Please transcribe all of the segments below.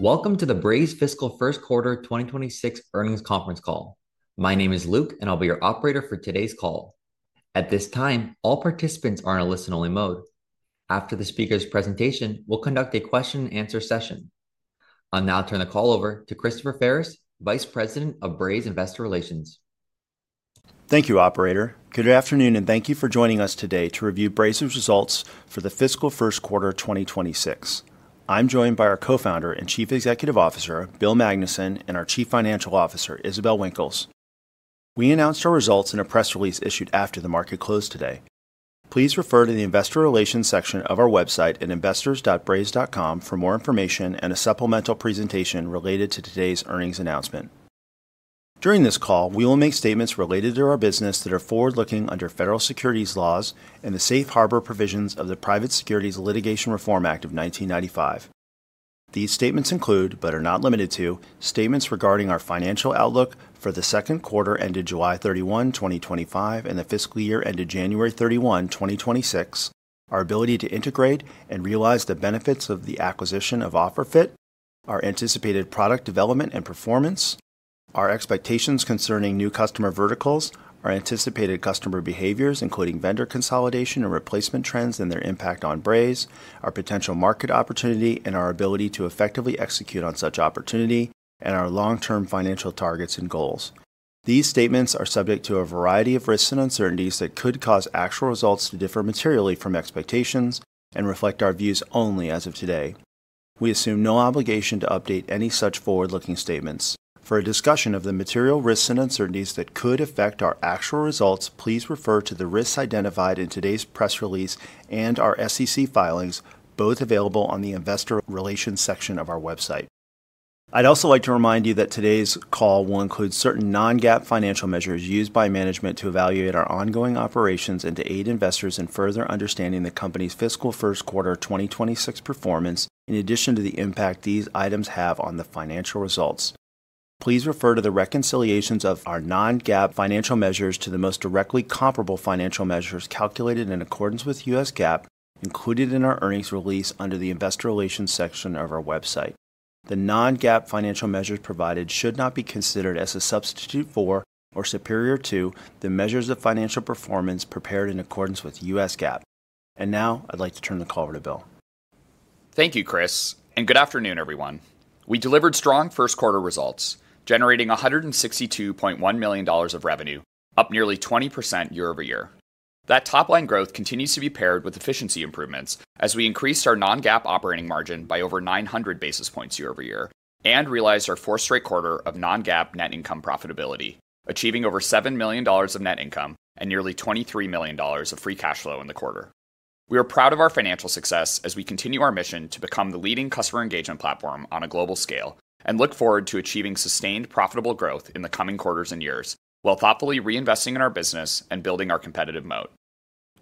Welcome to the Braze Fiscal First Quarter 2026 earnings conference call. My name is Luke, and I'll be your operator for today's call. At this time, all participants are in a listen-only mode. After the speaker's presentation, we'll conduct a question-and-answer session. I'll now turn the call over to Christopher Ferris, Vice President of Braze Investor Relations. Thank you, Operator. Good afternoon, and thank you for joining us today to review Braze's results for the Fiscal First Quarter 2026. I'm joined by our Co-Founder and Chief Executive Officer, Bill Magnuson, and our Chief Financial Officer, Isabelle Winkles. We announced our results in a press release issued after the market closed today. Please refer to the Investor Relations section of our website at investors.braze.com for more information and a supplemental presentation related to today's earnings announcement. During this call, we will make statements related to our business that are forward-looking under federal securities laws and the safe harbor provisions of the Private Securities Litigation Reform Act of 1995. These statements include, but are not limited to, statements regarding our financial outlook for the second quarter ended July 31, 2025, and the fiscal year ended January 31, 2026, our ability to integrate and realize the benefits of the acquisition of OfferFit, our anticipated product development and performance, our expectations concerning new customer verticals, our anticipated customer behaviors, including vendor consolidation and replacement trends and their impact on Braze, our potential market opportunity and our ability to effectively execute on such opportunity, and our long-term financial targets and goals. These statements are subject to a variety of risks and uncertainties that could cause actual results to differ materially from expectations and reflect our views only as of today. We assume no obligation to update any such forward-looking statements. For a discussion of the material risks and uncertainties that could affect our actual results, please refer to the risks identified in today's press release and our SEC filings, both available on the Investor Relations section of our website. I'd also like to remind you that today's call will include certain non-GAAP financial measures used by management to evaluate our ongoing operations and to aid investors in further understanding the company's fiscal first quarter 2026 performance, in addition to the impact these items have on the financial results. Please refer to the reconciliations of our non-GAAP financial measures to the most directly comparable financial measures calculated in accordance with US GAAP, included in our earnings release under the Investor Relations section of our website. The non-GAAP financial measures provided should not be considered as a substitute for or superior to the measures of financial performance prepared in accordance with US GAAP. I would like to turn the call over to Bill. Thank you, Chris, and good afternoon, everyone. We delivered strong first quarter results, generating $162.1 million of revenue, up nearly 20% year-over-year. That top-line growth continues to be paired with efficiency improvements as we increased our non-GAAP operating margin by over 900 basis points year over year and realized our fourth straight quarter of non-GAAP net income profitability, achieving over $7 million of net income and nearly $23 million of free cash flow in the quarter. We are proud of our financial success as we continue our mission to become the leading customer engagement platform on a global scale and look forward to achieving sustained profitable growth in the coming quarters and years while thoughtfully reinvesting in our business and building our competitive moat.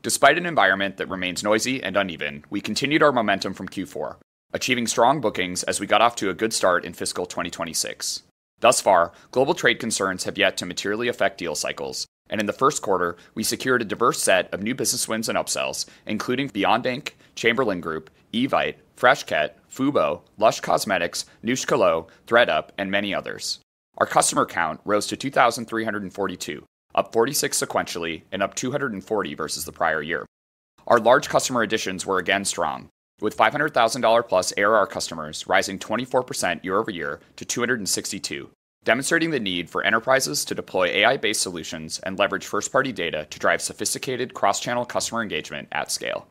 Despite an environment that remains noisy and uneven, we continued our momentum from Q4, achieving strong bookings as we got off to a good start in fiscal 2026. Thus far, global trade concerns have yet to materially affect deal cycles, and in the first quarter, we secured a diverse set of new business wins and upsells, including Beyond Inc., Chamberlain Group, Evite, Freshket, Fubo, LUSH Cosmetics, Njuskalo, ThredUP, and many others. Our customer count rose to 2,342, up 46 sequentially and up 240 versus the prior year. Our large customer additions were again strong, with $500,000-plus ARR customers rising 24% year-over-year to 262, demonstrating the need for enterprises to deploy AI-based solutions and leverage first-party data to drive sophisticated cross-channel customer engagement at scale.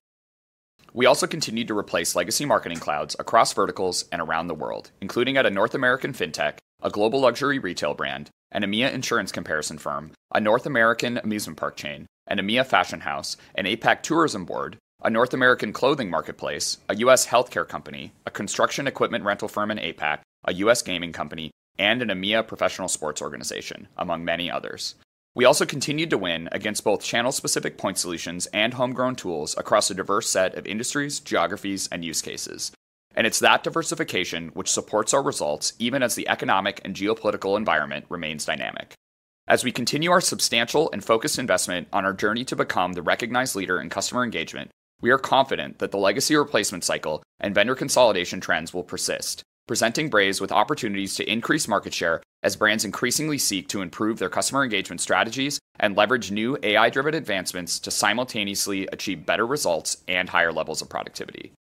We also continued to replace legacy marketing clouds across verticals and around the world, including at a North American FinTech, a global luxury retail brand, an EMEA insurance comparison firm, a North American amusement park chain, an EMEA fashion house, an APAC tourism board, a North American clothing marketplace, a U.S. healthcare company, a construction equipment rental firm in APAC, a U.S. gaming company, and an EMEA professional sports organization, among many others. We also continued to win against both channel-specific point solutions and homegrown tools across a diverse set of industries, geographies, and use cases, and it's that diversification which supports our results even as the economic and geopolitical environment remains dynamic. As we continue our substantial and focused investment on our journey to become the recognized leader in customer engagement, we are confident that the legacy replacement cycle and vendor consolidation trends will persist, presenting Braze with opportunities to increase market share as brands increasingly seek to improve their customer engagement strategies and leverage new AI-driven advancements to simultaneously achieve better results and higher levels of productivity.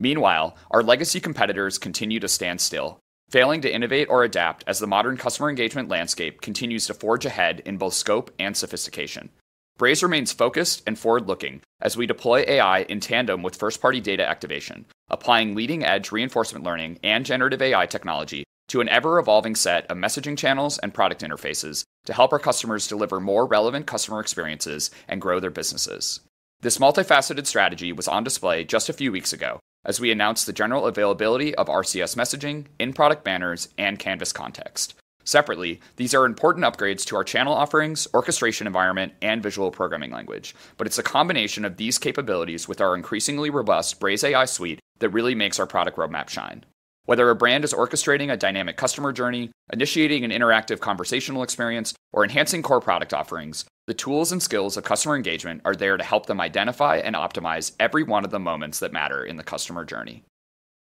Meanwhile, our legacy competitors continue to stand still, failing to innovate or adapt as the modern customer engagement landscape continues to forge ahead in both scope and sophistication. Braze remains focused and forward-looking as we deploy AI in tandem with first-party data activation, applying leading-edge reinforcement learning and generative AI technology to an ever-evolving set of messaging channels and product interfaces to help our customers deliver more relevant customer experiences and grow their businesses. This multifaceted strategy was on display just a few weeks ago as we announced the general availability of RCS messaging, in-product banners, and Canvas context. Separately, these are important upgrades to our channel offerings, orchestration environment, and visual programming language, but it is a combination of these capabilities with our increasingly robust Braze AI suite that really makes our product roadmap shine. Whether a brand is orchestrating a dynamic customer journey, initiating an interactive conversational experience, or enhancing core product offerings, the tools and skills of customer engagement are there to help them identify and optimize every one of the moments that matter in the customer journey.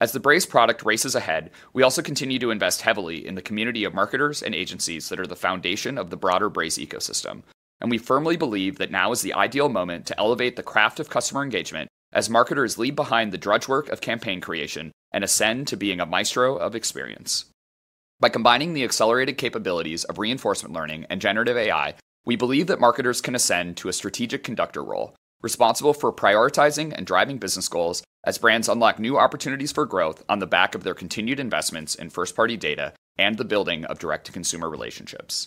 As the Braze product races ahead, we also continue to invest heavily in the community of marketers and agencies that are the foundation of the broader Braze ecosystem, and we firmly believe that now is the ideal moment to elevate the craft of customer engagement as marketers leave behind the drudge work of campaign creation and ascend to being a maestro of experience. By combining the accelerated capabilities of reinforcement learning and generative AI, we believe that marketers can ascend to a strategic conductor role responsible for prioritizing and driving business goals as brands unlock new opportunities for growth on the back of their continued investments in first-party data and the building of direct-to-consumer relationships.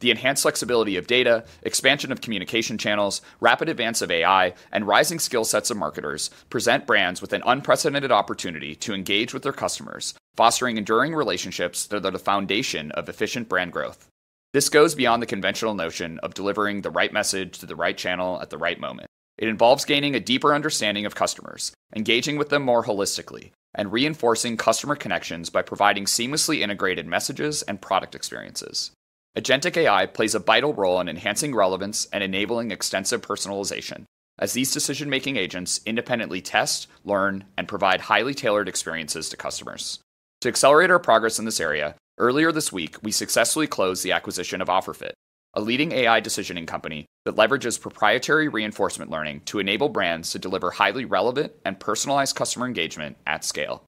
The enhanced flexibility of data, expansion of communication channels, rapid advance of AI, and rising skill sets of marketers present brands with an unprecedented opportunity to engage with their customers, fostering enduring relationships that are the foundation of efficient brand growth. This goes beyond the conventional notion of delivering the right message to the right channel at the right moment. It involves gaining a deeper understanding of customers, engaging with them more holistically, and reinforcing customer connections by providing seamlessly integrated messages and product experiences. Agentic AI plays a vital role in enhancing relevance and enabling extensive personalization as these decision-making agents independently test, learn, and provide highly tailored experiences to customers. To accelerate our progress in this area, earlier this week, we successfully closed the acquisition of OfferFit, a leading AI decisioning company that leverages proprietary reinforcement learning to enable brands to deliver highly relevant and personalized customer engagement at scale.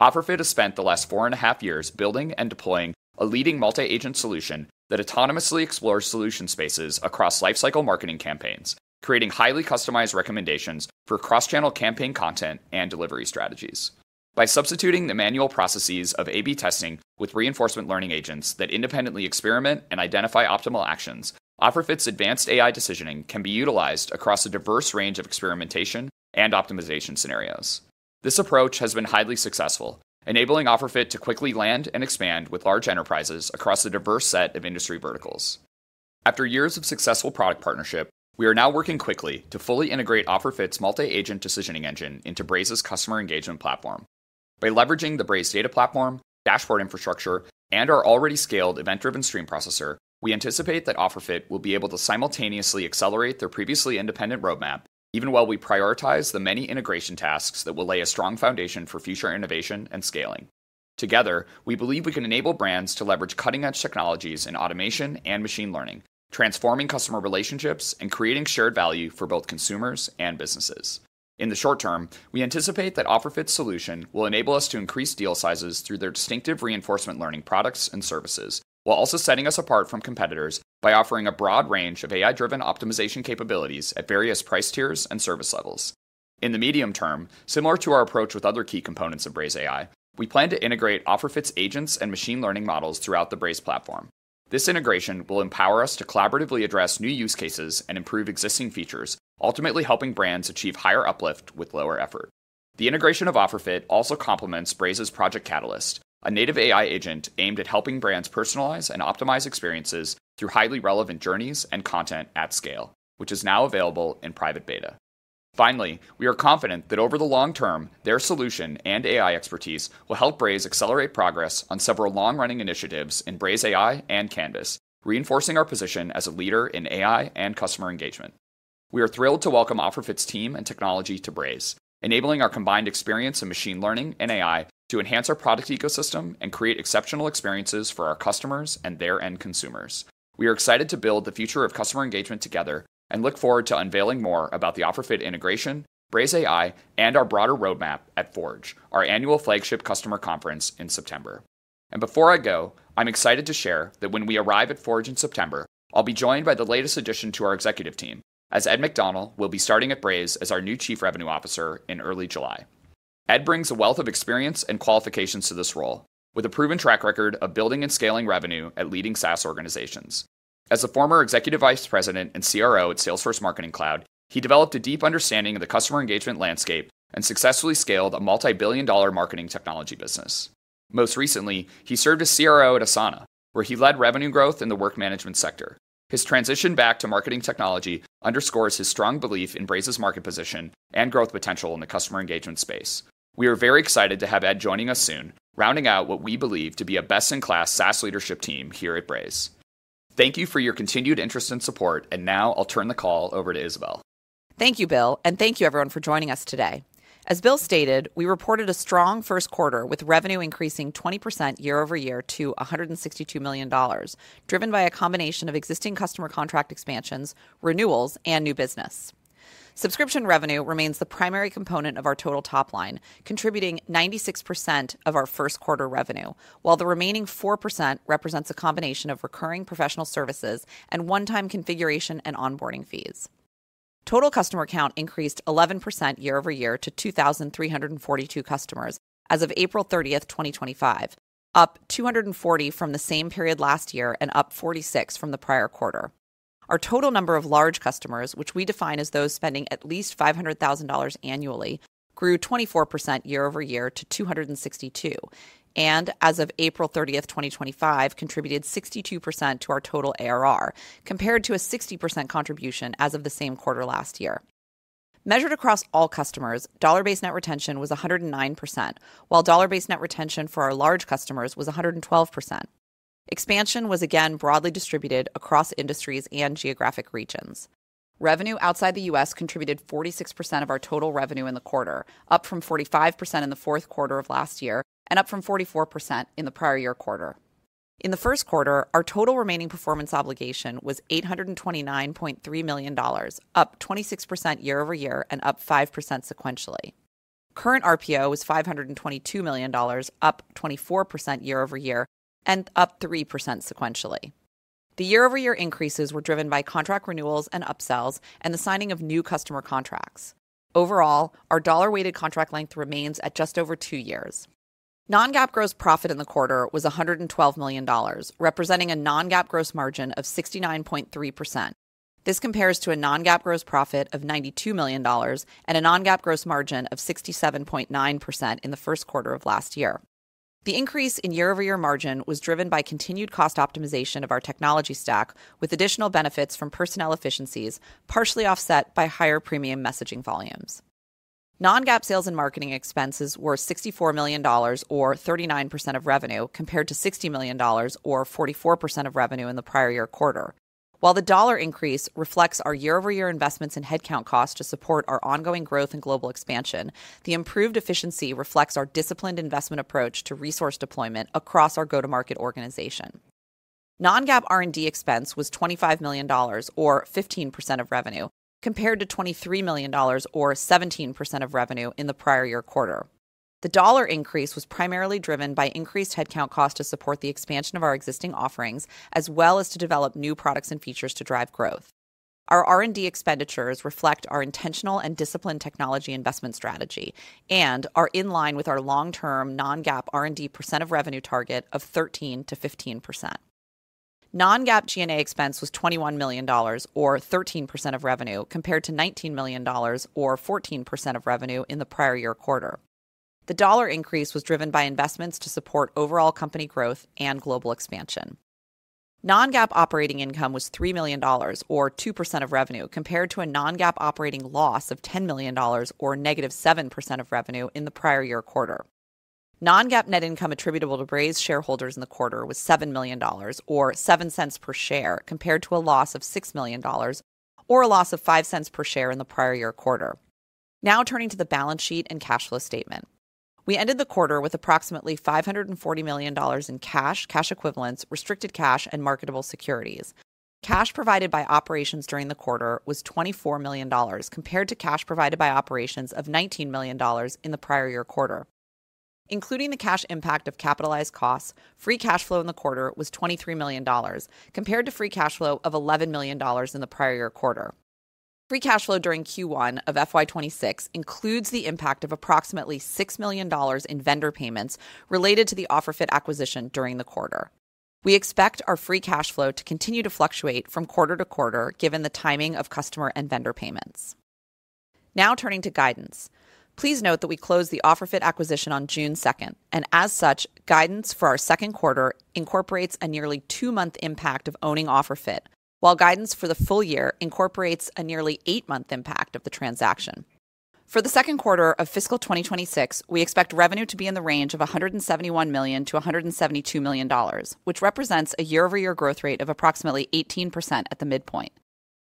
OfferFit has spent the last four and a half years building and deploying a leading multi-agent solution that autonomously explores solution spaces across lifecycle marketing campaigns, creating highly customized recommendations for cross-channel campaign content and delivery strategies. By substituting the manual processes of AB testing with reinforcement learning agents that independently experiment and identify optimal actions, OfferFit's advanced AI decisioning can be utilized across a diverse range of experimentation and optimization scenarios. This approach has been highly successful, enabling OfferFit to quickly land and expand with large enterprises across a diverse set of industry verticals. After years of successful product partnership, we are now working quickly to fully integrate OfferFit's multi-agent decisioning engine into Braze's customer engagement platform. By leveraging the Braze data platform, dashboard infrastructure, and our already scaled event-driven stream processor, we anticipate that OfferFit will be able to simultaneously accelerate their previously independent roadmap even while we prioritize the many integration tasks that will lay a strong foundation for future innovation and scaling. Together, we believe we can enable brands to leverage cutting-edge technologies in automation and machine learning, transforming customer relationships and creating shared value for both consumers and businesses. In the short term, we anticipate that OfferFit's solution will enable us to increase deal sizes through their distinctive reinforcement learning products and services while also setting us apart from competitors by offering a broad range of AI-driven optimization capabilities at various price tiers and service levels. In the medium term, similar to our approach with other key components of Braze AI, we plan to integrate OfferFit's agents and machine learning models throughout the Braze platform. This integration will empower us to collaboratively address new use cases and improve existing features, ultimately helping brands achieve higher uplift with lower effort. The integration of OfferFit also complements Braze's Project Catalyst, a native AI agent aimed at helping brands personalize and optimize experiences through highly relevant journeys and content at scale, which is now available in private beta. Finally, we are confident that over the long term, their solution and AI expertise will help Braze accelerate progress on several long-running initiatives in Braze AI and Canvas, reinforcing our position as a leader in AI and customer engagement. We are thrilled to welcome OfferFit's team and technology to Braze, enabling our combined experience in machine learning and AI to enhance our product ecosystem and create exceptional experiences for our customers and their end consumers. We are excited to build the future of customer engagement together and look forward to unveiling more about the OfferFit integration, Braze AI, and our broader roadmap at Forge, our annual flagship customer conference in September. Before I go, I'm excited to share that when we arrive at Forge in September, I'll be joined by the latest addition to our executive team, as Ed McDonnell will be starting at Braze as our new Chief Revenue Officer in early July. Ed brings a wealth of experience and qualifications to this role, with a proven track record of building and scaling revenue at leading SaaS organizations. As a former Executive Vice President and CRO at Salesforce Marketing Cloud, he developed a deep understanding of the customer engagement landscape and successfully scaled a multi-billion-dollar marketing technology business. Most recently, he served as CRO at Asana, where he led revenue growth in the work management sector. His transition back to marketing technology underscores his strong belief in Braze's market position and growth potential in the customer engagement space. We are very excited to have Ed joining us soon, rounding out what we believe to be a best-in-class SaaS leadership team here at Braze. Thank you for your continued interest and support, and now I'll turn the call over to Isabelle. Thank you, Bill, and thank you everyone for joining us today. As Bill stated, we reported a strong first quarter with revenue increasing 20% year over year to $162 million, driven by a combination of existing customer contract expansions, renewals, and new business. Subscription revenue remains the primary component of our total top line, contributing 96% of our first quarter revenue, while the remaining 4% represents a combination of recurring professional services and one-time configuration and onboarding fees. Total customer count increased 11% year over year to 2,342 customers as of April 30th, 2025, up 240 from the same period last year and up 46 from the prior quarter. Our total number of large customers, which we define as those spending at least $500,000 annually, grew 24% year-over-year to 262, and as of April 30th, 2025, contributed 62% to our total ARR, compared to a 60% contribution as of the same quarter last year. Measured across all customers, dollar-based net retention was 109%, while dollar-based net retention for our large customers was 112%. Expansion was again broadly distributed across industries and geographic regions. Revenue outside the U.S. contributed 46% of our total revenue in the quarter, up from 45% in the fourth quarter of last year and up from 44% in the prior year quarter. In the first quarter, our total remaining performance obligation was $829.3 million, up 26% year over year and up 5% sequentially. Current RPO was $522 million, up 24% year over year and up 3% sequentially. The year-over-year increases were driven by contract renewals and upsells and the signing of new customer contracts. Overall, our dollar-weighted contract length remains at just over two years. Non-GAAP gross profit in the quarter was $112 million, representing a non-GAAP gross margin of 69.3%. This compares to a non-GAAP gross profit of $92 million and a non-GAAP gross margin of 67.9% in the first quarter of last year. The increase in year-over-year margin was driven by continued cost optimization of our technology stack, with additional benefits from personnel efficiencies partially offset by higher premium messaging volumes. Non-GAAP sales and marketing expenses were $64 million, or 39% of revenue, compared to $60 million, or 44% of revenue in the prior year quarter. While the dollar increase reflects our year-over-year investments in headcount costs to support our ongoing growth and global expansion, the improved efficiency reflects our disciplined investment approach to resource deployment across our go-to-market organization. Non-GAAP R&D expense was $25 million, or 15% of revenue, compared to $23 million, or 17% of revenue in the prior year quarter. The dollar increase was primarily driven by increased headcount costs to support the expansion of our existing offerings as well as to develop new products and features to drive growth. Our R&D expenditures reflect our intentional and disciplined technology investment strategy and are in line with our long-term non-GAAP R&D % of revenue target of 13%-15%. Non-GAAP G&A expense was $21 million, or 13% of revenue, compared to $19 million, or 14% of revenue in the prior year quarter. The dollar increase was driven by investments to support overall company growth and global expansion. Non-GAAP operating income was $3 million, or 2% of revenue, compared to a non-GAAP operating loss of $10 million, or negative 7% of revenue in the prior year quarter. Non-GAAP net income attributable to Braze shareholders in the quarter was $7 million, or $0.07 per share, compared to a loss of $6 million, or a loss of $0.05 per share in the prior year quarter. Now turning to the balance sheet and cash flow statement. We ended the quarter with approximately $540 million in cash, cash equivalents, restricted cash, and marketable securities. Cash provided by operations during the quarter was $24 million, compared to cash provided by operations of $19 million in the prior year quarter. Including the cash impact of capitalized costs, free cash flow in the quarter was $23 million, compared to free cash flow of $11 million in the prior year quarter. Free cash flow during Q1 of FY 2026 includes the impact of approximately $6 million in vendor payments related to the OfferFit acquisition during the quarter. We expect our free cash flow to continue to fluctuate from quarter to quarter given the timing of customer and vendor payments. Now turning to guidance. Please note that we closed the OfferFit acquisition on June 2nd, and as such, guidance for our second quarter incorporates a nearly two-month impact of owning OfferFit, while guidance for the full year incorporates a nearly eight-month impact of the transaction. For the 2nd quarter of fiscal 2026, we expect revenue to be in the range of $171 million-$172 million, which represents a year-over-year growth rate of approximately 18% at the midpoint.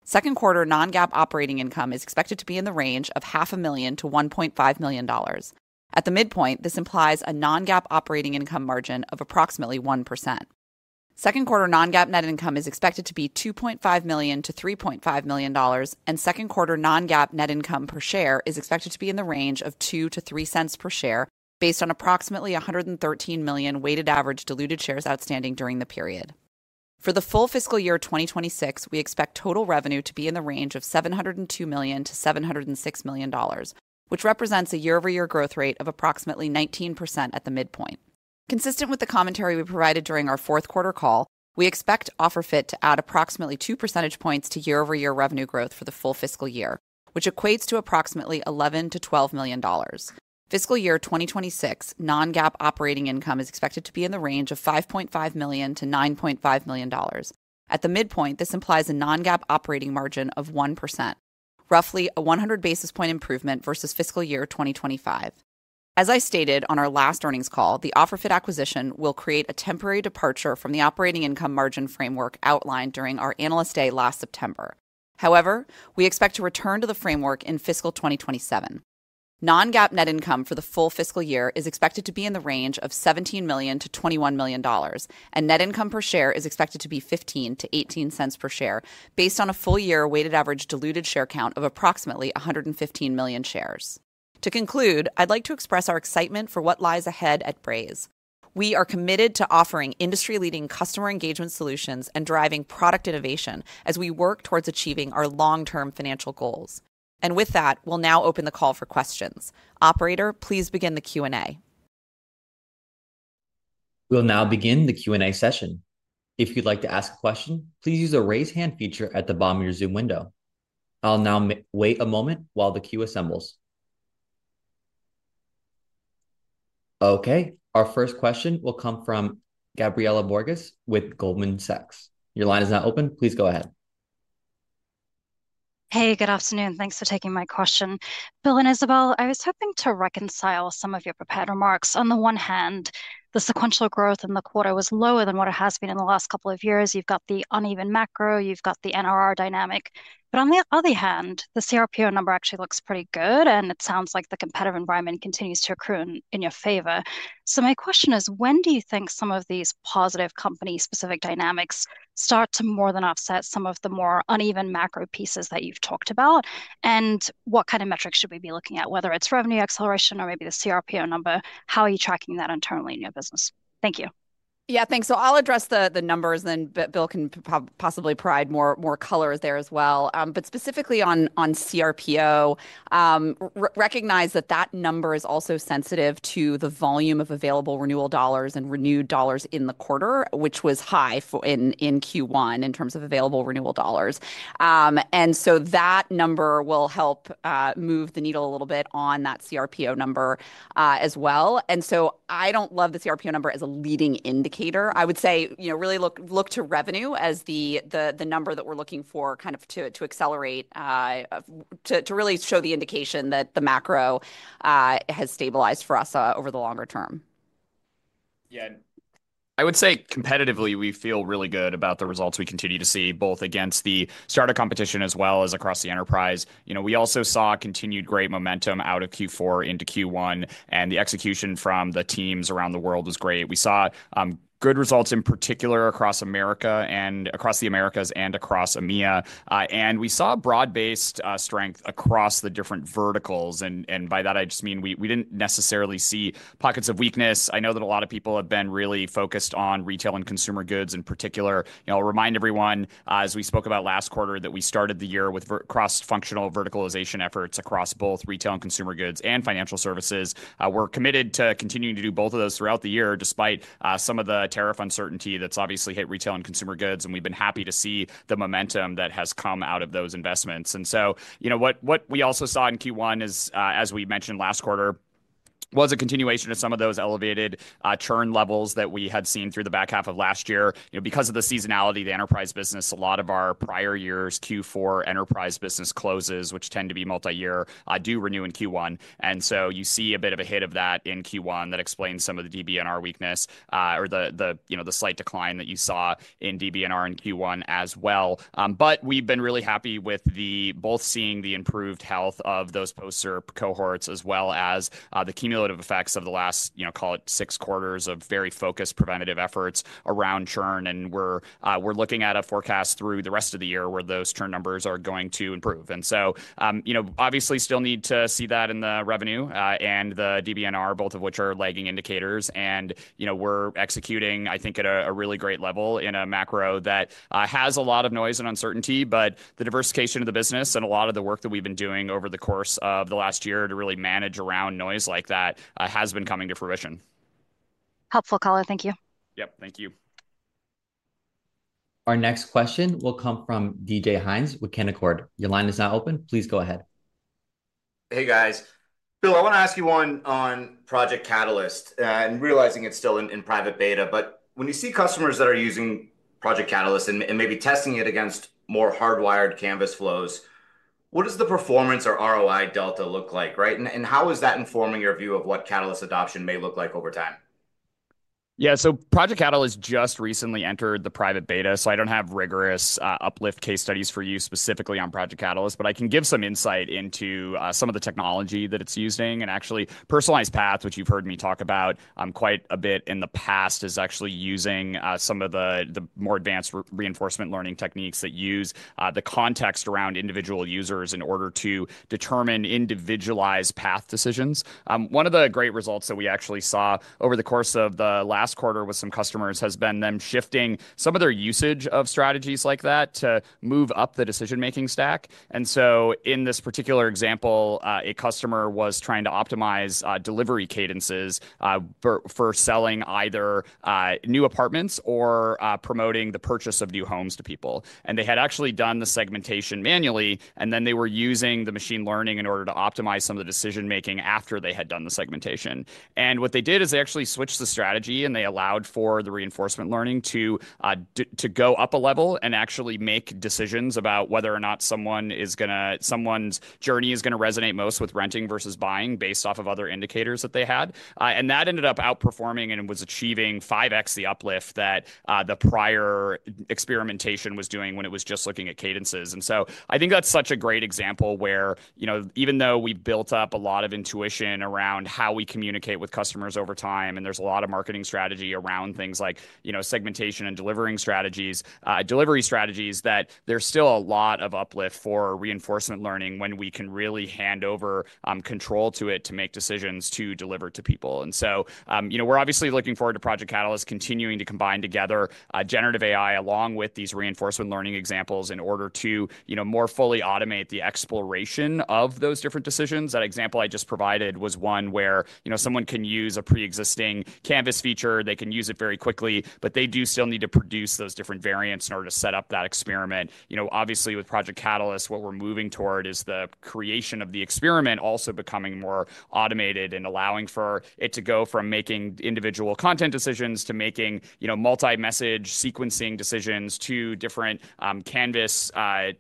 2nd quarter non-GAAP operating income is expected to be in the range of $500,000-$1.5 million. At the midpoint, this implies a non-GAAP operating income margin of approximately 1%. Second quarter non-GAAP net income is expected to be $2.5 million-$3.5 million, and second quarter non-GAAP net income per share is expected to be in the range of $0.02-$0.03 per share based on approximately 113 million weighted average diluted shares outstanding during the period. For the full fiscal year 2026, we expect total revenue to be in the range of $702 million-$706 million, which represents a year-over-year growth rate of approximately 19% at the midpoint. Consistent with the commentary we provided during our 4th quarter call, we expect OfferFit to add approximately 2 percentage points to year-over-year revenue growth for the full fiscal year, which equates to approximately $11-$12 million. Fiscal year 2026, non-GAAP operating income is expected to be in the range of $5.5 million-$9.5 million. At the midpoint, this implies a non-GAAP operating margin of 1%, roughly a 100 basis point improvement versus fiscal year 2025. As I stated on our last earnings call, the OfferFit acquisition will create a temporary departure from the operating income margin framework outlined during our analyst day last September. However, we expect to return to the framework in fiscal 2027. Non-GAAP net income for the full fiscal year is expected to be in the range of $17 million-$21 million, and net income per share is expected to be $0.15-$0.18 per share based on a full year weighted average diluted share count of approximately 115 million shares. To conclude, I'd like to express our excitement for what lies ahead at Braze. We are committed to offering industry-leading customer engagement solutions and driving product innovation as we work towards achieving our long-term financial goals. With that, we'll now open the call for questions. Operator, please begin the Q&A. We'll now begin the Q&A session. If you'd like to ask a question, please use the raise hand feature at the bottom of your Zoom window. I'll now wait a moment while the queue assembles. Okay, our first question will come from Gabriela Borges with Goldman Sachs. Your line is now open. Please go ahead. Hey, good afternoon. Thanks for taking my question. Bill and Isabelle, I was hoping to reconcile some of your prepared remarks. On the one hand, the sequential growth in the quarter was lower than what it has been in the last couple of years. You've got the uneven macro, you've got the NRR dynamic. On the other hand, the CRPO number actually looks pretty good, and it sounds like the competitive environment continues to accrue in your favor. My question is, when do you think some of these positive company-specific dynamics start to more than offset some of the more uneven macro pieces that you've talked about? What kind of metrics should we be looking at, whether it's revenue acceleration or maybe the CRPO number? How are you tracking that internally in your business? Thank you. Yeah, thanks. I'll address the numbers, and then Bill can possibly provide more color there as well. Specifically on CRPO, recognize that that number is also sensitive to the volume of available renewal dollars and renewed dollars in the quarter, which was high in Q1 in terms of available renewal dollars. That number will help move the needle a little bit on that CRPO number as well. I don't love the CRPO number as a leading indicator. I would say, you know, really look to revenue as the number that we're looking for kind of to accelerate, to really show the indication that the macro has stabilized for us over the longer term. Yeah, I would say competitively we feel really good about the results we continue to see, both against the startup competition as well as across the enterprise. You know, we also saw continued great momentum out of Q4 into Q1, and the execution from the teams around the world was great. We saw good results in particular across America and across the Americas and across EMEA. We saw broad-based strength across the different verticals. By that, I just mean we did not necessarily see pockets of weakness. I know that a lot of people have been really focused on retail and consumer goods in particular. I'll remind everyone, as we spoke about last quarter, that we started the year with cross-functional verticalization efforts across both retail and consumer goods and financial services. We're committed to continuing to do both of those throughout the year, despite some of the tariff uncertainty that's obviously hit retail and consumer goods. We've been happy to see the momentum that has come out of those investments. You know, what we also saw in Q1 is, as we mentioned last quarter, was a continuation of some of those elevated churn levels that we had seen through the back half of last year. You know, because of the seasonality of the enterprise business, a lot of our prior year's Q4 enterprise business closes, which tend to be multi-year, do renew in Q1. You see a bit of a hit of that in Q1 that explains some of the DBNR weakness or the slight decline that you saw in DBNR in Q1 as well. We have been really happy with both seeing the improved health of those post-serve cohorts as well as the cumulative effects of the last, you know, call it six quarters of very focused preventative efforts around churn. We are looking at a forecast through the rest of the year where those churn numbers are going to improve. You know, obviously still need to see that in the revenue and the DBNR, both of which are lagging indicators. You know, we are executing, I think, at a really great level in a macro that has a lot of noise and uncertainty, but the diversification of the business and a lot of the work that we have been doing over the course of the last year to really manage around noise like that has been coming to fruition. Helpful color. Thank you. Yep, thank you. Our next question will come from DJ Hynes with Canaccord. Your line is now open. Please go ahead. Hey, guys. Bill, I want to ask you one on Project Catalyst and realizing it's still in private beta. When you see customers that are using Project Catalyst and maybe testing it against more hardwired Canvas flows, what does the performance or ROI delta look like, right? How is that informing your view of what Catalyst adoption may look like over time? Yeah, so Project Catalyst just recently entered the private beta, so I don't have rigorous uplift case studies for you specifically on Project Catalyst, but I can give some insight into some of the technology that it's using. Actually, Personalized Path, which you've heard me talk about quite a bit in the past, is actually using some of the more advanced reinforcement learning techniques that use the context around individual users in order to determine individualized path decisions. One of the great results that we actually saw over the course of the last quarter with some customers has been them shifting some of their usage of strategies like that to move up the decision-making stack. In this particular example, a customer was trying to optimize delivery cadences for selling either new apartments or promoting the purchase of new homes to people. They had actually done the segmentation manually, and then they were using the machine learning in order to optimize some of the decision-making after they had done the segmentation. What they did is they actually switched the strategy and they allowed for the reinforcement learning to go up a level and actually make decisions about whether or not someone is going to, someone's journey is going to resonate most with renting versus buying based off of other indicators that they had. That ended up outperforming and was achieving 5x the uplift that the prior experimentation was doing when it was just looking at cadences. I think that's such a great example where, you know, even though we've built up a lot of intuition around how we communicate with customers over time and there's a lot of marketing strategy around things like, you know, segmentation and delivery strategies, that there's still a lot of uplift for reinforcement learning when we can really hand over control to it to make decisions to deliver to people. You know, we're obviously looking forward to Project Catalyst continuing to combine together generative AI along with these reinforcement learning examples in order to, you know, more fully automate the exploration of those different decisions. That example I just provided was one where, you know, someone can use a pre-existing Canvas feature, they can use it very quickly, but they do still need to produce those different variants in order to set up that experiment. You know, obviously with Project Catalyst, what we're moving toward is the creation of the experiment also becoming more automated and allowing for it to go from making individual content decisions to making, you know, multi-message sequencing decisions to different Canvas,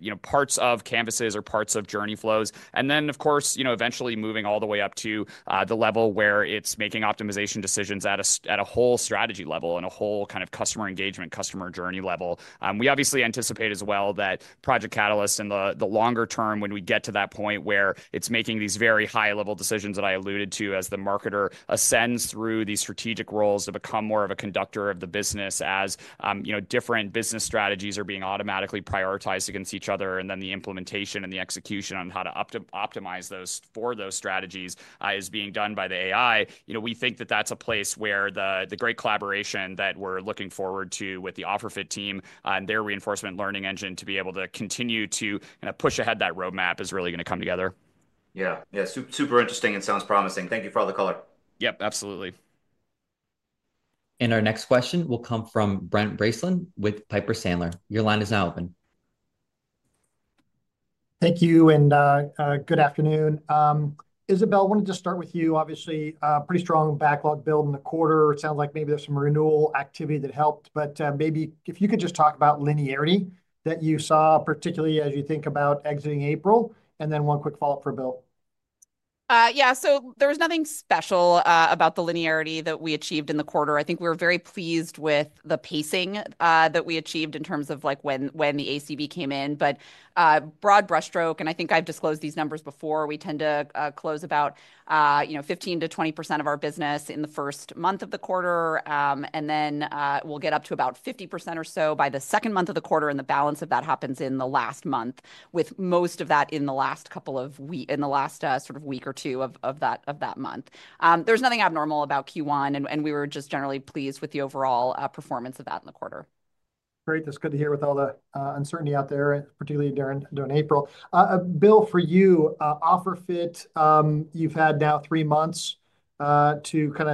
you know, parts of Canvases or parts of journey flows. Of course, you know, eventually moving all the way up to the level where it's making optimization decisions at a whole strategy level and a whole kind of customer engagement, customer journey level. We obviously anticipate as well that Project Catalyst in the longer term, when we get to that point where it's making these very high-level decisions that I alluded to as the marketer ascends through these strategic roles to become more of a conductor of the business as, you know, different business strategies are being automatically prioritized against each other. The implementation and the execution on how to optimize those for those strategies is being done by the AI. You know, we think that that's a place where the great collaboration that we're looking forward to with the OfferFit team and their reinforcement learning engine to be able to continue to kind of push ahead that roadmap is really going to come together. Yeah, yeah, super interesting and sounds promising. Thank you for all the color. Yep, absolutely. Our next question will come from Brent Bracelin with Piper Sandler. Your line is now open. Thank you and good afternoon. Isabelle, I wanted to start with you. Obviously, pretty strong backlog build in the quarter. It sounds like maybe there's some renewal activity that helped, but maybe if you could just talk about linearity that you saw, particularly as you think about exiting April. And then one quick follow-up for Bill. Yeah, so there was nothing special about the linearity that we achieved in the quarter. I think we were very pleased with the pacing that we achieved in terms of like when the ACV came in. But broad brushstroke, and I think I've disclosed these numbers before, we tend to close about, you know, 15-20% of our business in the first month of the quarter. And then we'll get up to about 50% or so by the second month of the quarter. And the balance of that happens in the last month, with most of that in the last couple of, in the last sort of week or two of that month. There's nothing abnormal about Q1, and we were just generally pleased with the overall performance of that in the quarter. Great, that's good to hear with all the uncertainty out there, particularly during April. Bill, for you, OfferFit, you've had now three months to kind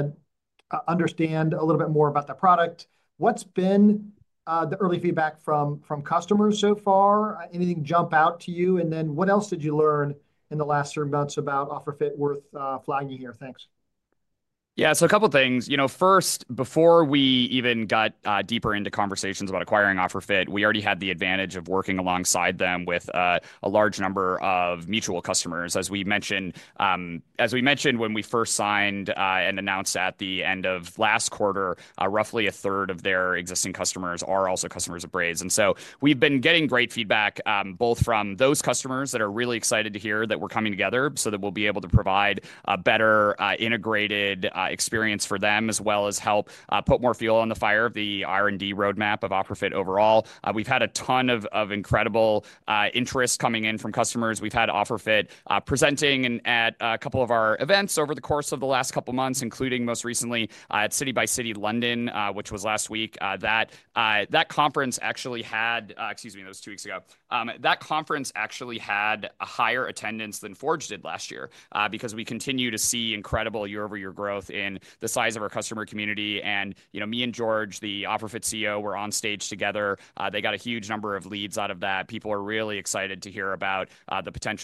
of understand a little bit more about the product. What's been the early feedback from customers so far? Anything jump out to you? What else did you learn in the last three months about OfferFit worth flagging here? Thanks. Yeah, so a couple of things. You know, first, before we even got deeper into conversations about acquiring OfferFit, we already had the advantage of working alongside them with a large number of mutual customers. As we mentioned, when we first signed and announced at the end of last quarter, roughly a third of their existing customers are also customers of Braze. We've been getting great feedback both from those customers that are really excited to hear that we're coming together so that we'll be able to provide a better integrated experience for them, as well as help put more fuel on the fire of the R&D roadmap of OfferFit overall. We've had a ton of incredible interest coming in from customers. We've had OfferFit presenting at a couple of our events over the course of the last couple of months, including most recently at City x City London, which was last week. That conference actually had, excuse me, that was two weeks ago. That conference actually had a higher attendance than Forge did last year because we continue to see incredible year-over-year growth in the size of our customer community. You know, me and George, the OfferFit CEO, were on stage together. They got a huge number of leads out of that. People are really excited to hear about the potential.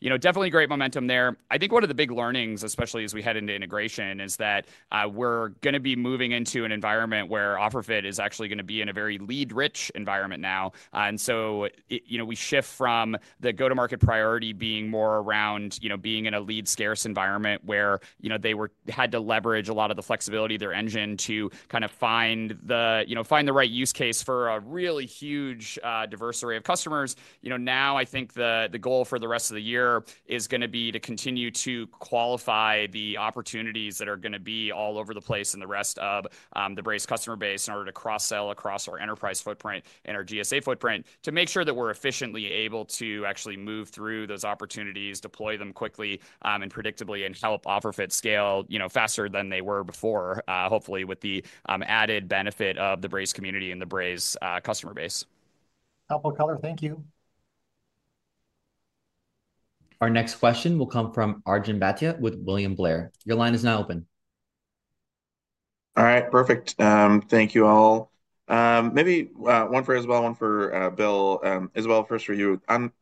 You know, definitely great momentum there. I think one of the big learnings, especially as we head into integration, is that we're going to be moving into an environment where OfferFit is actually going to be in a very lead-rich environment now. You know, we shift from the go-to-market priority being more around, you know, being in a lead-scarce environment where, you know, they had to leverage a lot of the flexibility of their engine to kind of find the, you know, find the right use case for a really huge diverse array of customers. You know, now I think the goal for the rest of the year is going to be to continue to qualify the opportunities that are going to be all over the place in the rest of the Braze customer base in order to cross-sell across our enterprise footprint and our GSA footprint to make sure that we're efficiently able to actually move through those opportunities, deploy them quickly and predictably, and help OfferFit scale, you know, faster than they were before, hopefully with the added benefit of the Braze community and the Braze customer base. Helpful color, thank you. Our next question will come from Arjun Bhatia with William Blair. Your line is now open. All right, perfect. Thank you all. Maybe one for Isabelle, one for Bill. Isabelle, first for you. Can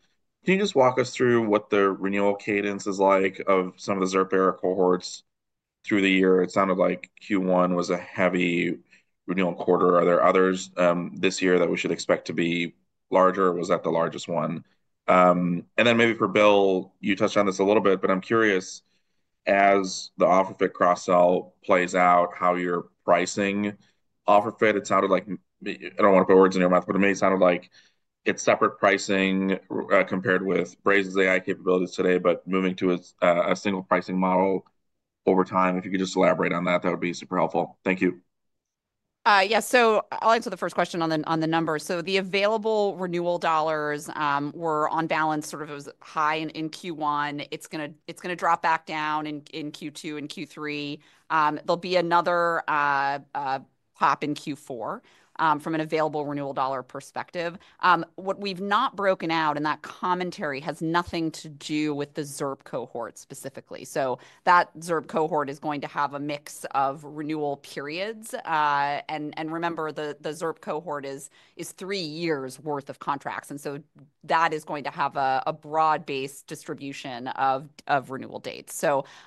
you just walk us through what the renewal cadence is like of some of the post-ZIRP cohorts through the year? It sounded like Q1 was a heavy renewal quarter. Are there others this year that we should expect to be larger? Was that the largest one? Maybe for Bill, you touched on this a little bit, but I'm curious, as the OfferFit cross-sell plays out, how you're pricing OfferFit. It sounded like, I don't want to put words in your mouth, but it may sound like it's separate pricing compared with Braze's AI capabilities today, but moving to a single pricing model over time. If you could just elaborate on that, that would be super helpful. Thank you. Yeah, I'll answer the first question on the numbers. The available renewal dollars were on balance sort of high in Q1. It's going to drop back down in Q2 and Q3. There'll be another pop in Q4 from an available renewal dollar perspective. What we've not broken out, and that commentary has nothing to do with the ZIRP cohort specifically. That ZIRP cohort is going to have a mix of renewal periods. Remember, the ZIRP cohort is three years' worth of contracts, and that is going to have a broad-based distribution of renewal dates.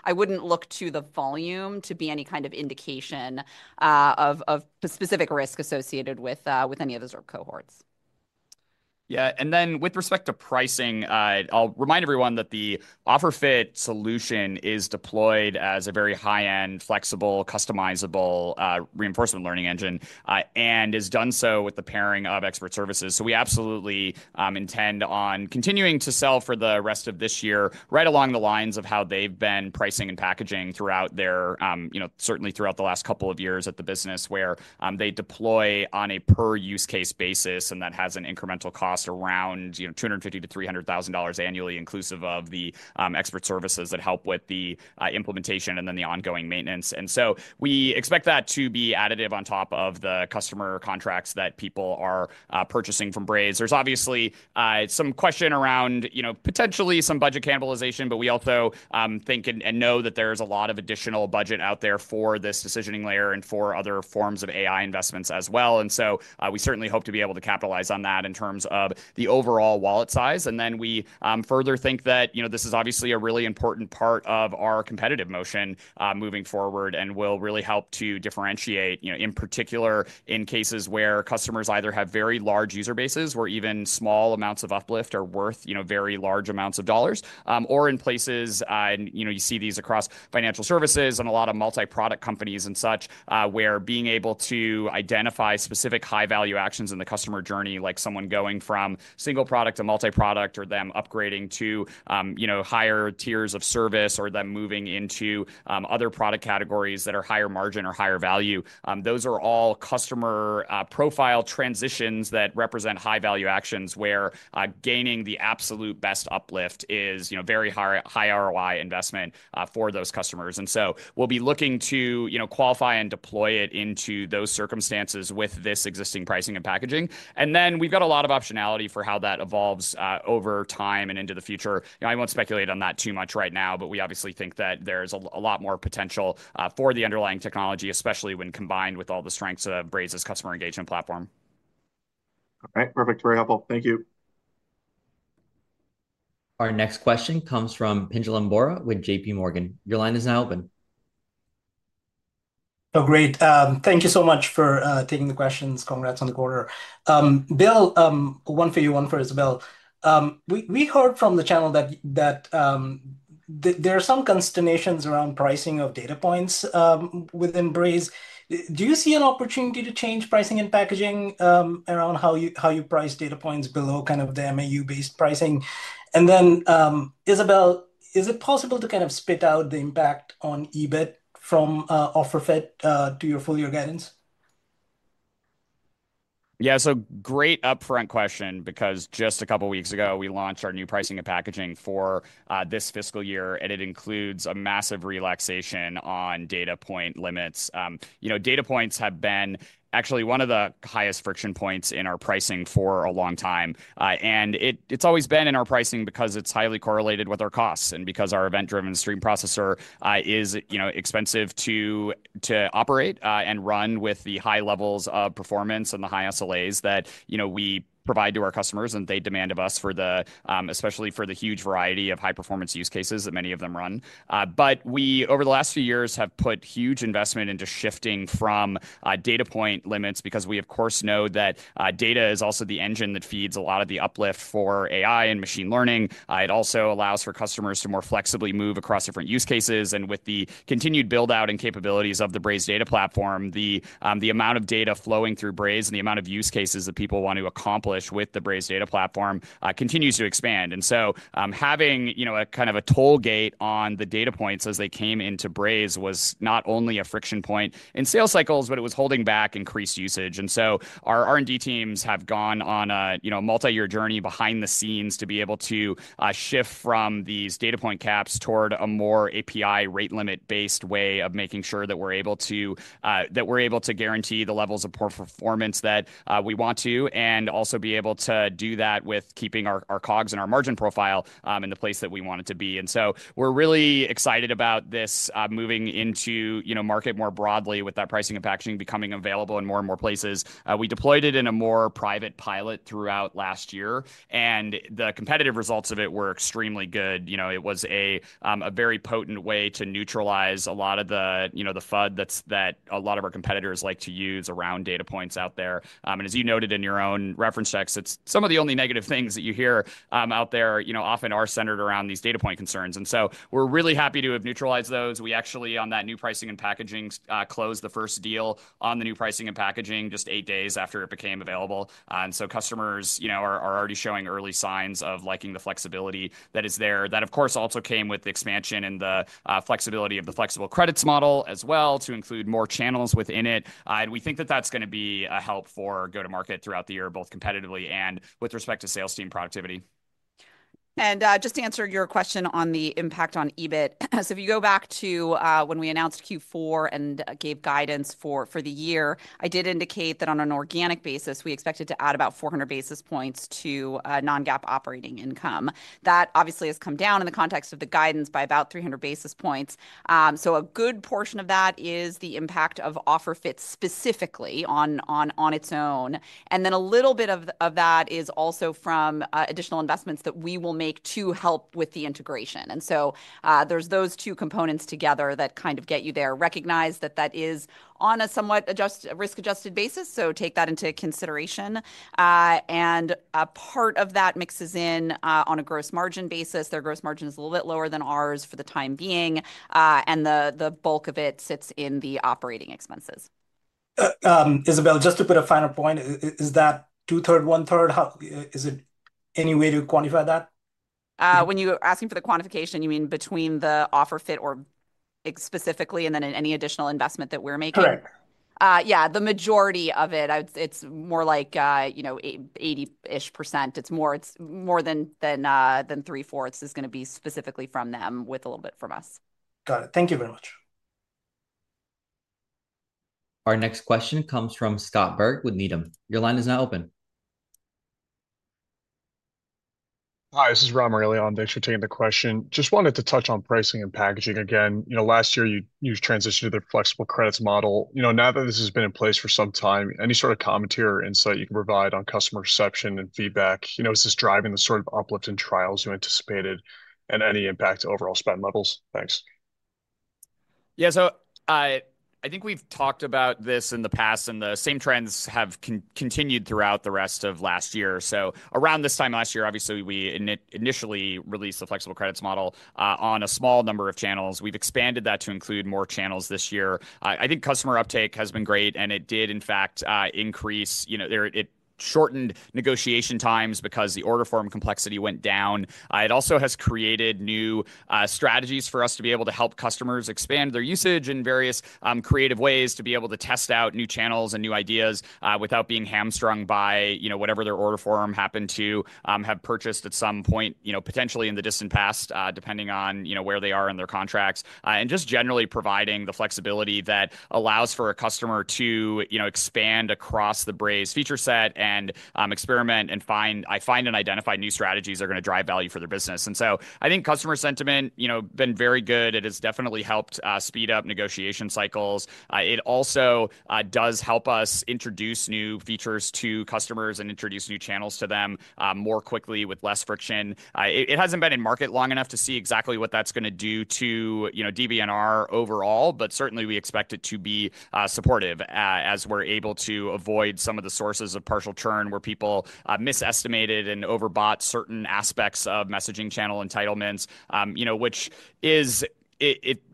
I wouldn't look to the volume to be any kind of indication of specific risk associated with any of the ZIRP cohorts. Yeah, and then with respect to pricing, I'll remind everyone that the OfferFit solution is deployed as a very high-end, flexible, customizable reinforcement learning engine and has done so with the pairing of expert services. So we absolutely intend on continuing to sell for the rest of this year, right along the lines of how they've been pricing and packaging throughout their, you know, certainly throughout the last couple of years at the business, where they deploy on a per-use case basis and that has an incremental cost around, you know, $250,000-$300,000 annually, inclusive of the expert services that help with the implementation and then the ongoing maintenance. And so we expect that to be additive on top of the customer contracts that people are purchasing from Braze. There's obviously some question around, you know, potentially some budget cannibalization, but we also think and know that there's a lot of additional budget out there for this decisioning layer and for other forms of AI investments as well. We certainly hope to be able to capitalize on that in terms of the overall wallet size. We further think that, you know, this is obviously a really important part of our competitive motion moving forward and will really help to differentiate, you know, in particular in cases where customers either have very large user bases where even small amounts of uplift are worth, you know, very large amounts of dollars, or in places, you know, you see these across financial services and a lot of multi-product companies and such, where being able to identify specific high-value actions in the customer journey, like someone going from single product to multi-product or them upgrading to, you know, higher tiers of service or them moving into other product categories that are higher margin or higher value, those are all customer profile transitions that represent high-value actions where gaining the absolute best uplift is, you know, very high ROI investment for those customers. We will be looking to, you know, qualify and deploy it into those circumstances with this existing pricing and packaging. We have a lot of optionality for how that evolves over time and into the future. You know, I will not speculate on that too much right now, but we obviously think that there is a lot more potential for the underlying technology, especially when combined with all the strengths of Braze's customer engagement platform. All right, perfect, very helpful, thank you. Our next question comes from Pinjalim Bora with JP Morgan. Your line is now open. Oh, great. Thank you so much for taking the questions. Congrats on the quarter. Bill, one for you, one for Isabelle. We heard from the channel that there are some consternations around pricing of data points within Braze. Do you see an opportunity to change pricing and packaging around how you price data points below kind of the MAU-based pricing? And then, Isabelle, is it possible to kind of spit out the impact on EBIT from OfferFit to your full year guidance? Yeah, so great upfront question because just a couple of weeks ago, we launched our new pricing and packaging for this fiscal year, and it includes a massive relaxation on data point limits. You know, data points have been actually one of the highest friction points in our pricing for a long time. And it's always been in our pricing because it's highly correlated with our costs and because our event-driven stream processor is, you know, expensive to operate and run with the high levels of performance and the high SLAs that, you know, we provide to our customers and they demand of us for the, especially for the huge variety of high-performance use cases that many of them run. Over the last few years, we have put huge investment into shifting from data point limits because we, of course, know that data is also the engine that feeds a lot of the uplift for AI and machine learning. It also allows for customers to more flexibly move across different use cases. With the continued build-out and capabilities of the Braze Data Platform, the amount of data flowing through Braze and the amount of use cases that people want to accomplish with the Braze Data Platform continues to expand. Having, you know, a kind of a toll gate on the data points as they came into Braze was not only a friction point in sales cycles, but it was holding back increased usage. Our R&D teams have gone on a, you know, multi-year journey behind the scenes to be able to shift from these data point caps toward a more API rate limit-based way of making sure that we're able to, that we're able to guarantee the levels of performance that we want to and also be able to do that with keeping our COGS and our margin profile in the place that we want it to be. We're really excited about this moving into, you know, market more broadly with that pricing and packaging becoming available in more and more places. We deployed it in a more private pilot throughout last year, and the competitive results of it were extremely good. You know, it was a very potent way to neutralize a lot of the, you know, the FUD that a lot of our competitors like to use around data points out there. As you noted in your own reference text, some of the only negative things that you hear out there, you know, often are centered around these data point concerns. We are really happy to have neutralized those. We actually, on that new pricing and packaging, closed the first deal on the new pricing and packaging just eight days after it became available. Customers, you know, are already showing early signs of liking the flexibility that is there. That, of course, also came with the expansion and the flexibility of the flexible credits model as well to include more channels within it. We think that that's going to be a help for go-to-market throughout the year, both competitively and with respect to sales team productivity. Just to answer your question on the impact on EBIT, if you go back to when we announced Q4 and gave guidance for the year, I did indicate that on an organic basis, we expected to add about 400 basis points to non-GAAP operating income. That obviously has come down in the context of the guidance by about 300 basis points. A good portion of that is the impact of OfferFit specifically on its own. A little bit of that is also from additional investments that we will make to help with the integration. There are those two components together that kind of get you there. Recognize that that is on a somewhat risk-adjusted basis, so take that into consideration. Part of that mixes in on a gross margin basis. Their gross margin is a little bit lower than ours for the time being, and the bulk of it sits in the operating expenses. Isabelle, just to put a final point, is that 2/3, 1/3? Is there any way to quantify that? When you're asking for the quantification, you mean between the OfferFit or specifically and then in any additional investment that we're making? Correct. Yeah, the majority of it, it's more like, you know, 80% ish. It's more than 3/4s is going to be specifically from them with a little bit from us. Got it. Thank you very much. Our next question comes from Scott Berg with Needham. Your line is now open. Hi, this is Rob Morelli on. Thanks for taking the question. Just wanted to touch on pricing and packaging again. You know, last year you transitioned to the flexible credits model. You know, now that this has been in place for some time, any sort of commentary or insight you can provide on customer reception and feedback, you know, is this driving the sort of uplift in trials you anticipated and any impact to overall spend levels? Thanks. Yeah, I think we've talked about this in the past, and the same trends have continued throughout the rest of last year. Around this time last year, obviously, we initially released the flexible credits model on a small number of channels. We've expanded that to include more channels this year. I think customer uptake has been great, and it did, in fact, increase, you know, it shortened negotiation times because the order form complexity went down. It also has created new strategies for us to be able to help customers expand their usage in various creative ways to be able to test out new channels and new ideas without being hamstrung by, you know, whatever their order form happened to have purchased at some point, you know, potentially in the distant past, depending on, you know, where they are in their contracts. Just generally providing the flexibility that allows for a customer to, you know, expand across the Braze feature set and experiment and find, I find and identify new strategies that are going to drive value for their business. I think customer sentiment, you know, been very good. It has definitely helped speed up negotiation cycles. It also does help us introduce new features to customers and introduce new channels to them more quickly with less friction. It has not been in market long enough to see exactly what that is going to do to, you know, DBNR overall, but certainly we expect it to be supportive as we are able to avoid some of the sources of partial churn where people misestimated and overbought certain aspects of messaging channel entitlements, you know, which is,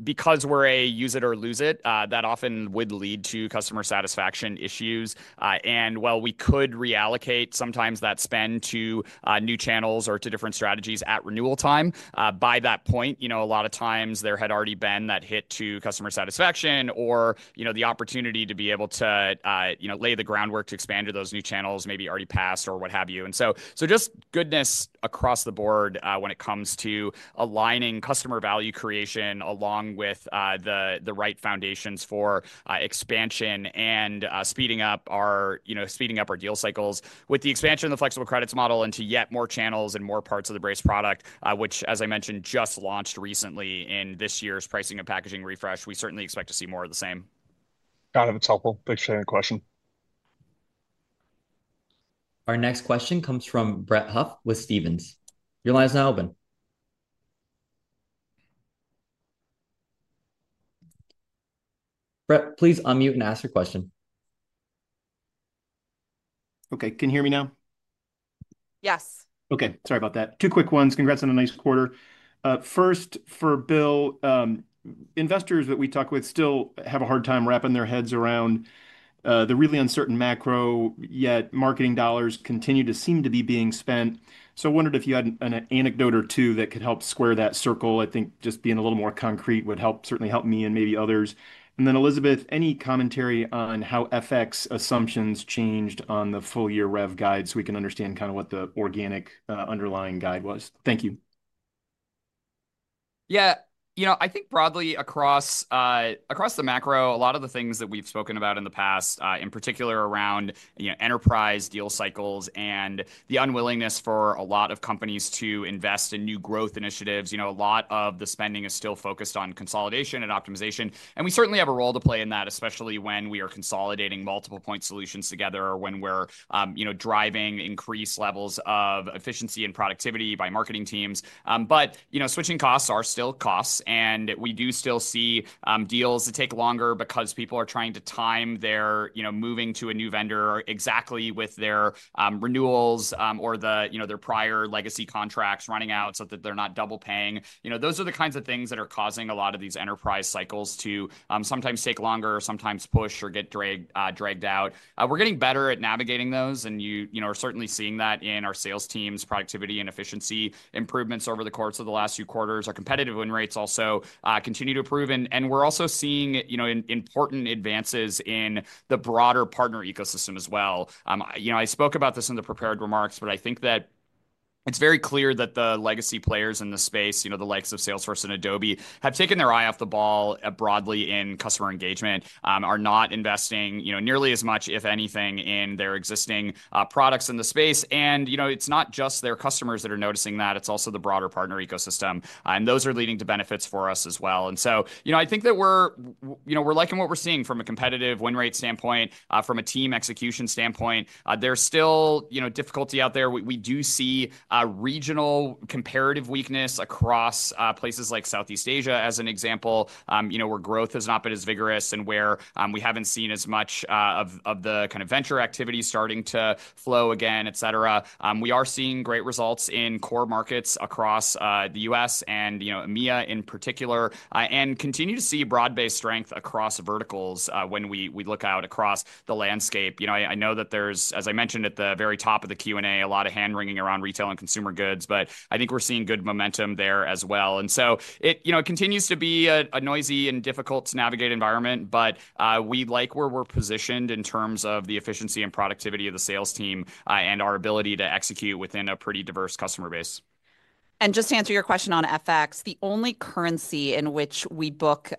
because we are a use it or lose it, that often would lead to customer satisfaction issues. While we could reallocate sometimes that spend to new channels or to different strategies at renewal time, by that point, you know, a lot of times there had already been that hit to customer satisfaction or, you know, the opportunity to be able to, you know, lay the groundwork to expand to those new channels maybe already passed or what have you. Just goodness across the board when it comes to aligning customer value creation along with the right foundations for expansion and speeding up our, you know, speeding up our deal cycles with the expansion of the flexible credits model into yet more channels and more parts of the Braze product, which, as I mentioned, just launched recently in this year's pricing and packaging refresh. We certainly expect to see more of the same. Got it. That's helpful. Thanks for the question. Our next question comes from Brett Huff with Stephens. Your line is now open. Brett, please unmute and ask your question. Okay, can you hear me now? Yes. Okay, sorry about that. Two quick ones. Congrats on a nice quarter. First, for Bill, investors that we talk with still have a hard time wrapping their heads around the really uncertain macro, yet marketing dollars continue to seem to be being spent. I wondered if you had an anecdote or two that could help square that circle. I think just being a little more concrete would certainly help me and maybe others. Then, Isabelle, any commentary on how FX assumptions changed on the full year rev guide so we can understand kind of what the organic underlying guide was? Thank you. Yeah, you know, I think broadly across the macro, a lot of the things that we've spoken about in the past, in particular around, you know, enterprise deal cycles and the unwillingness for a lot of companies to invest in new growth initiatives, you know, a lot of the spending is still focused on consolidation and optimization. We certainly have a role to play in that, especially when we are consolidating multiple point solutions together or when we're, you know, driving increased levels of efficiency and productivity by marketing teams. You know, switching costs are still costs, and we do still see deals that take longer because people are trying to time their, you know, moving to a new vendor exactly with their renewals or their prior legacy contracts running out so that they're not double paying. You know, those are the kinds of things that are causing a lot of these enterprise cycles to sometimes take longer or sometimes push or get dragged out. We're getting better at navigating those, and you know, are certainly seeing that in our sales team's productivity and efficiency improvements over the course of the last few quarters. Our competitive win rates also continue to improve, and we're also seeing, you know, important advances in the broader partner ecosystem as well. You know, I spoke about this in the prepared remarks, but I think that it's very clear that the legacy players in the space, you know, the likes of Salesforce and Adobe, have taken their eye off the ball broadly in customer engagement, are not investing, you know, nearly as much, if anything, in their existing products in the space. You know, it's not just their customers that are noticing that. It's also the broader partner ecosystem, and those are leading to benefits for us as well. You know, I think that we're, you know, we're liking what we're seeing from a competitive win rate standpoint, from a team execution standpoint. There's still, you know, difficulty out there. We do see regional comparative weakness across places like Southeast Asia as an example, you know, where growth has not been as vigorous and where we haven't seen as much of the kind of venture activity starting to flow again, et cetera. We are seeing great results in core markets across the US and, you know, EMEA in particular, and continue to see broad-based strength across verticals when we look out across the landscape. You know, I know that there's, as I mentioned at the very top of the Q&A, a lot of hand-wringing around retail and consumer goods, but I think we're seeing good momentum there as well. It, you know, it continues to be a noisy and difficult to navigate environment, but we like where we're positioned in terms of the efficiency and productivity of the sales team and our ability to execute within a pretty diverse customer base. To answer your question on FX, the only currency in which we book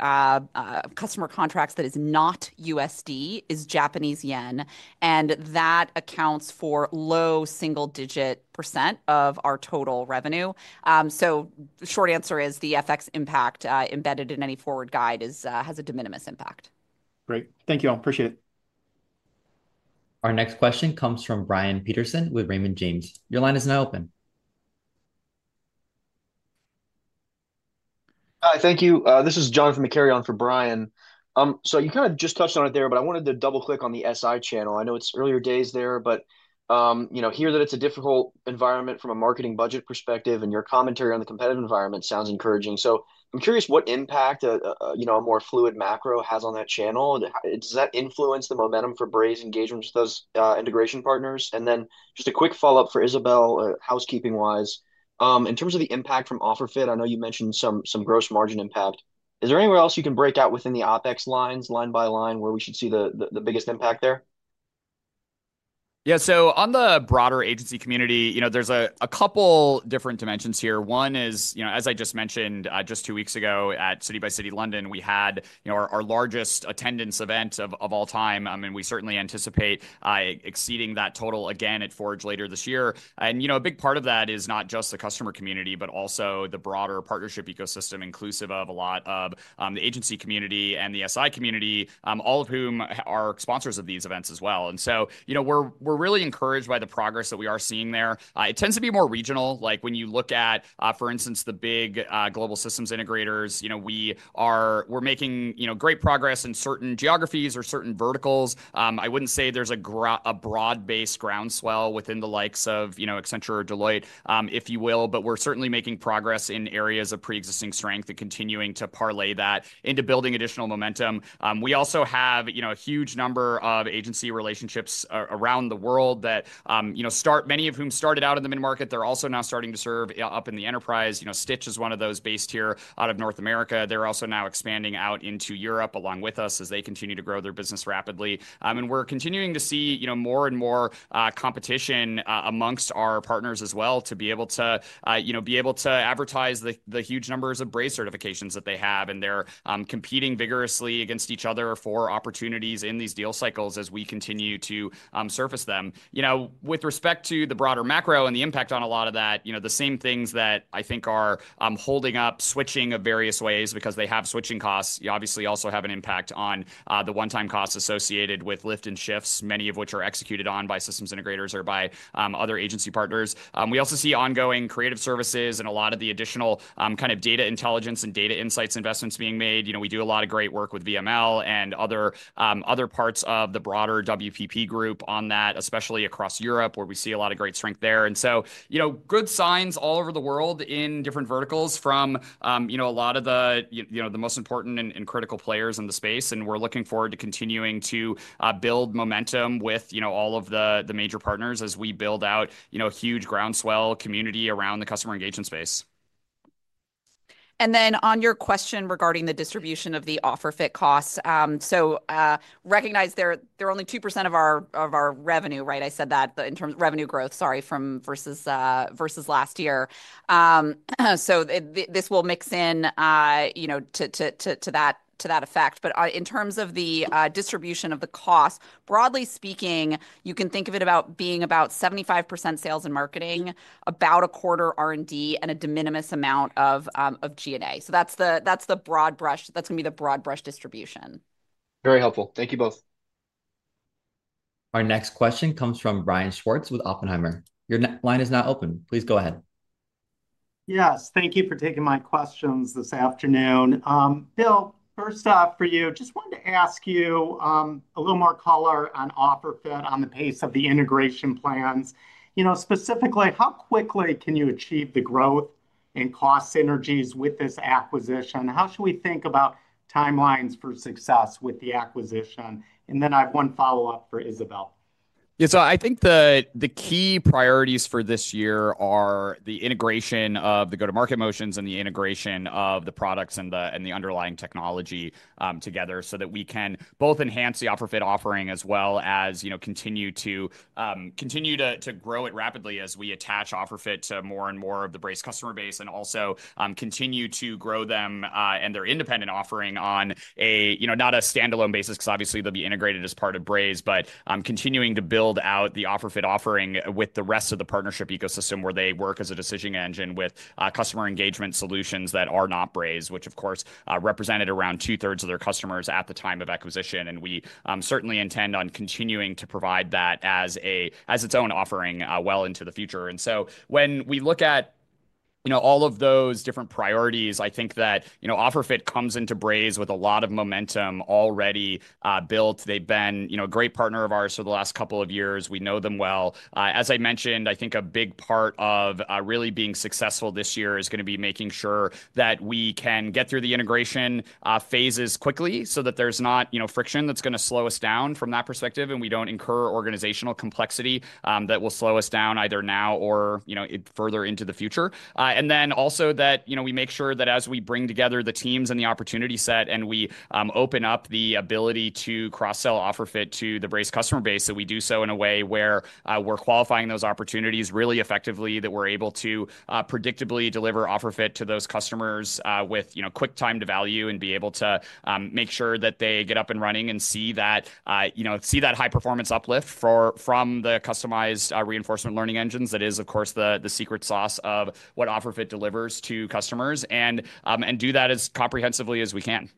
customer contracts that is not USD is Japanese yen, and that accounts for low single-digit % of our total revenue. The short answer is the FX impact embedded in any forward guide has a de minimis impact. Great. Thank you all. Appreciate it. Our next question comes from Brian Peterson with Raymond James. Your line is now open. Hi, thank you. This is Jonathan McCarry on for Brian. You kind of just touched on it there, but I wanted to double-click on the SI channel. I know it's earlier days there, but, you know, hear that it's a difficult environment from a marketing budget perspective, and your commentary on the competitive environment sounds encouraging. I'm curious what impact, you know, a more fluid macro has on that channel. Does that influence the momentum for Braze engagement with those integration partners? Then just a quick follow-up for Isabelle, housekeeping-wise. In terms of the impact from OfferFit, I know you mentioned some gross margin impact. Is there anywhere else you can break out within the OpEx lines, line by line, where we should see the biggest impact there? Yeah, so on the broader agency community, you know, there's a couple different dimensions here. One is, you know, as I just mentioned just two weeks ago at City x City London, we had, you know, our largest attendance event of all time, and we certainly anticipate exceeding that total again at Forge later this year. You know, a big part of that is not just the customer community, but also the broader partnership ecosystem, inclusive of a lot of the agency community and the SI community, all of whom are sponsors of these events as well. You know, we're really encouraged by the progress that we are seeing there. It tends to be more regional. Like when you look at, for instance, the big global systems integrators, you know, we are making, you know, great progress in certain geographies or certain verticals. I wouldn't say there's a broad-based groundswell within the likes of, you know, Accenture or Deloitte, if you will, but we're certainly making progress in areas of pre-existing strength and continuing to parlay that into building additional momentum. We also have, you know, a huge number of agency relationships around the world that, you know, start, many of whom started out in the mid-market. They're also now starting to serve up in the enterprise. You know, Stitch is one of those based here out of North America. They're also now expanding out into Europe along with us as they continue to grow their business rapidly. We're continuing to see, you know, more and more competition amongst our partners as well to be able to, you know, be able to advertise the huge numbers of Braze certifications that they have, and they're competing vigorously against each other for opportunities in these deal cycles as we continue to surface them. You know, with respect to the broader macro and the impact on a lot of that, you know, the same things that I think are holding up switching of various ways because they have switching costs, you obviously also have an impact on the one-time costs associated with lift and shifts, many of which are executed on by systems integrators or by other agency partners. We also see ongoing creative services and a lot of the additional kind of data intelligence and data insights investments being made. You know, we do a lot of great work with VML and other parts of the broader-WPP group on that, especially across Europe, where we see a lot of great strength there. You know, good signs all over the world in different verticals from, you know, a lot of the, you know, the most important and critical players in the space, and we're looking forward to continuing to build momentum with, you know, all of the major partners as we build out, you know, a huge groundswell community around the customer engagement space. On your question regarding the distribution of the OfferFit costs, recognize they're only 2% of our revenue, right? I said that in terms of revenue growth, sorry, from versus last year. This will mix in, you know, to that effect. In terms of the distribution of the costs, broadly speaking, you can think of it about being about 75% sales and marketing, about a quarter R&D, and a de minimis amount of G&A. That's the broad brush. That's going to be the broad brush distribution. Very helpful. Thank you both. Our next question comes from Brian Schwartz with Oppenheimer. Your line is now open. Please go ahead. Yes, thank you for taking my questions this afternoon. Bill, first off for you, just wanted to ask you a little more color on OfferFit on the pace of the integration plans. You know, specifically, how quickly can you achieve the growth and cost synergies with this acquisition? How should we think about timelines for success with the acquisition? I have one follow-up for Isabelle. Yeah, so I think the key priorities for this year are the integration of the go-to-market motions and the integration of the products and the underlying technology together so that we can both enhance the OfferFit offering as well as, you know, continue to grow it rapidly as we attach OfferFit to more and more of the Braze customer base and also continue to grow them and their independent offering on a, you know, not a standalone basis because obviously they'll be integrated as part of Braze, but continuing to build out the OfferFit offering with the rest of the partnership ecosystem where they work as a decision engine with customer engagement solutions that are not Braze, which of course represented around two-thirds of their customers at the time of acquisition. We certainly intend on continuing to provide that as its own offering well into the future. When we look at, you know, all of those different priorities, I think that, you know, OfferFit comes into Braze with a lot of momentum already built. They've been, you know, a great partner of ours for the last couple of years. We know them well. As I mentioned, I think a big part of really being successful this year is going to be making sure that we can get through the integration phases quickly so that there's not, you know, friction that's going to slow us down from that perspective and we don't incur organizational complexity that will slow us down either now or, you know, further into the future. We make sure that as we bring together the teams and the opportunity set and we open up the ability to cross-sell OfferFit to the Braze customer base, that we do so in a way where we're qualifying those opportunities really effectively, that we're able to predictably deliver OfferFit to those customers with, you know, quick time to value and be able to make sure that they get up and running and see that, you know, see that high-performance uplift from the customized reinforcement learning engines. That is, of course, the secret sauce of what OfferFit delivers to customers and do that as comprehensively as we can.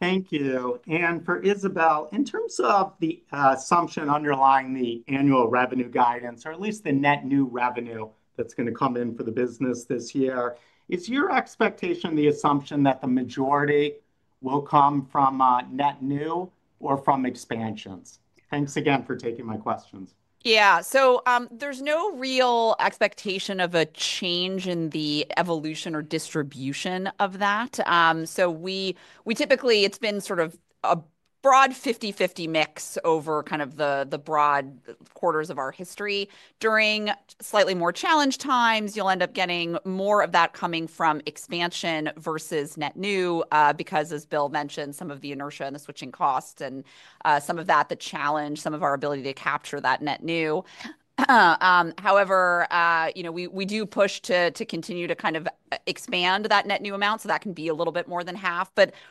Thank you. For Isabelle, in terms of the assumption underlying the annual revenue guidance, or at least the net new revenue that's going to come in for the business this year, is your expectation the assumption that the majority will come from net new or from expansions? Thanks again for taking my questions. Yeah, so there's no real expectation of a change in the evolution or distribution of that. We typically, it's been sort of a broad 50-50 mix over kind of the broad quarters of our history. During slightly more challenged times, you'll end up getting more of that coming from expansion versus net new because, as Bill mentioned, some of the inertia and the switching costs and some of that, the challenge, some of our ability to capture that net new. However, you know, we do push to continue to kind of expand that net new amount so that can be a little bit more than half.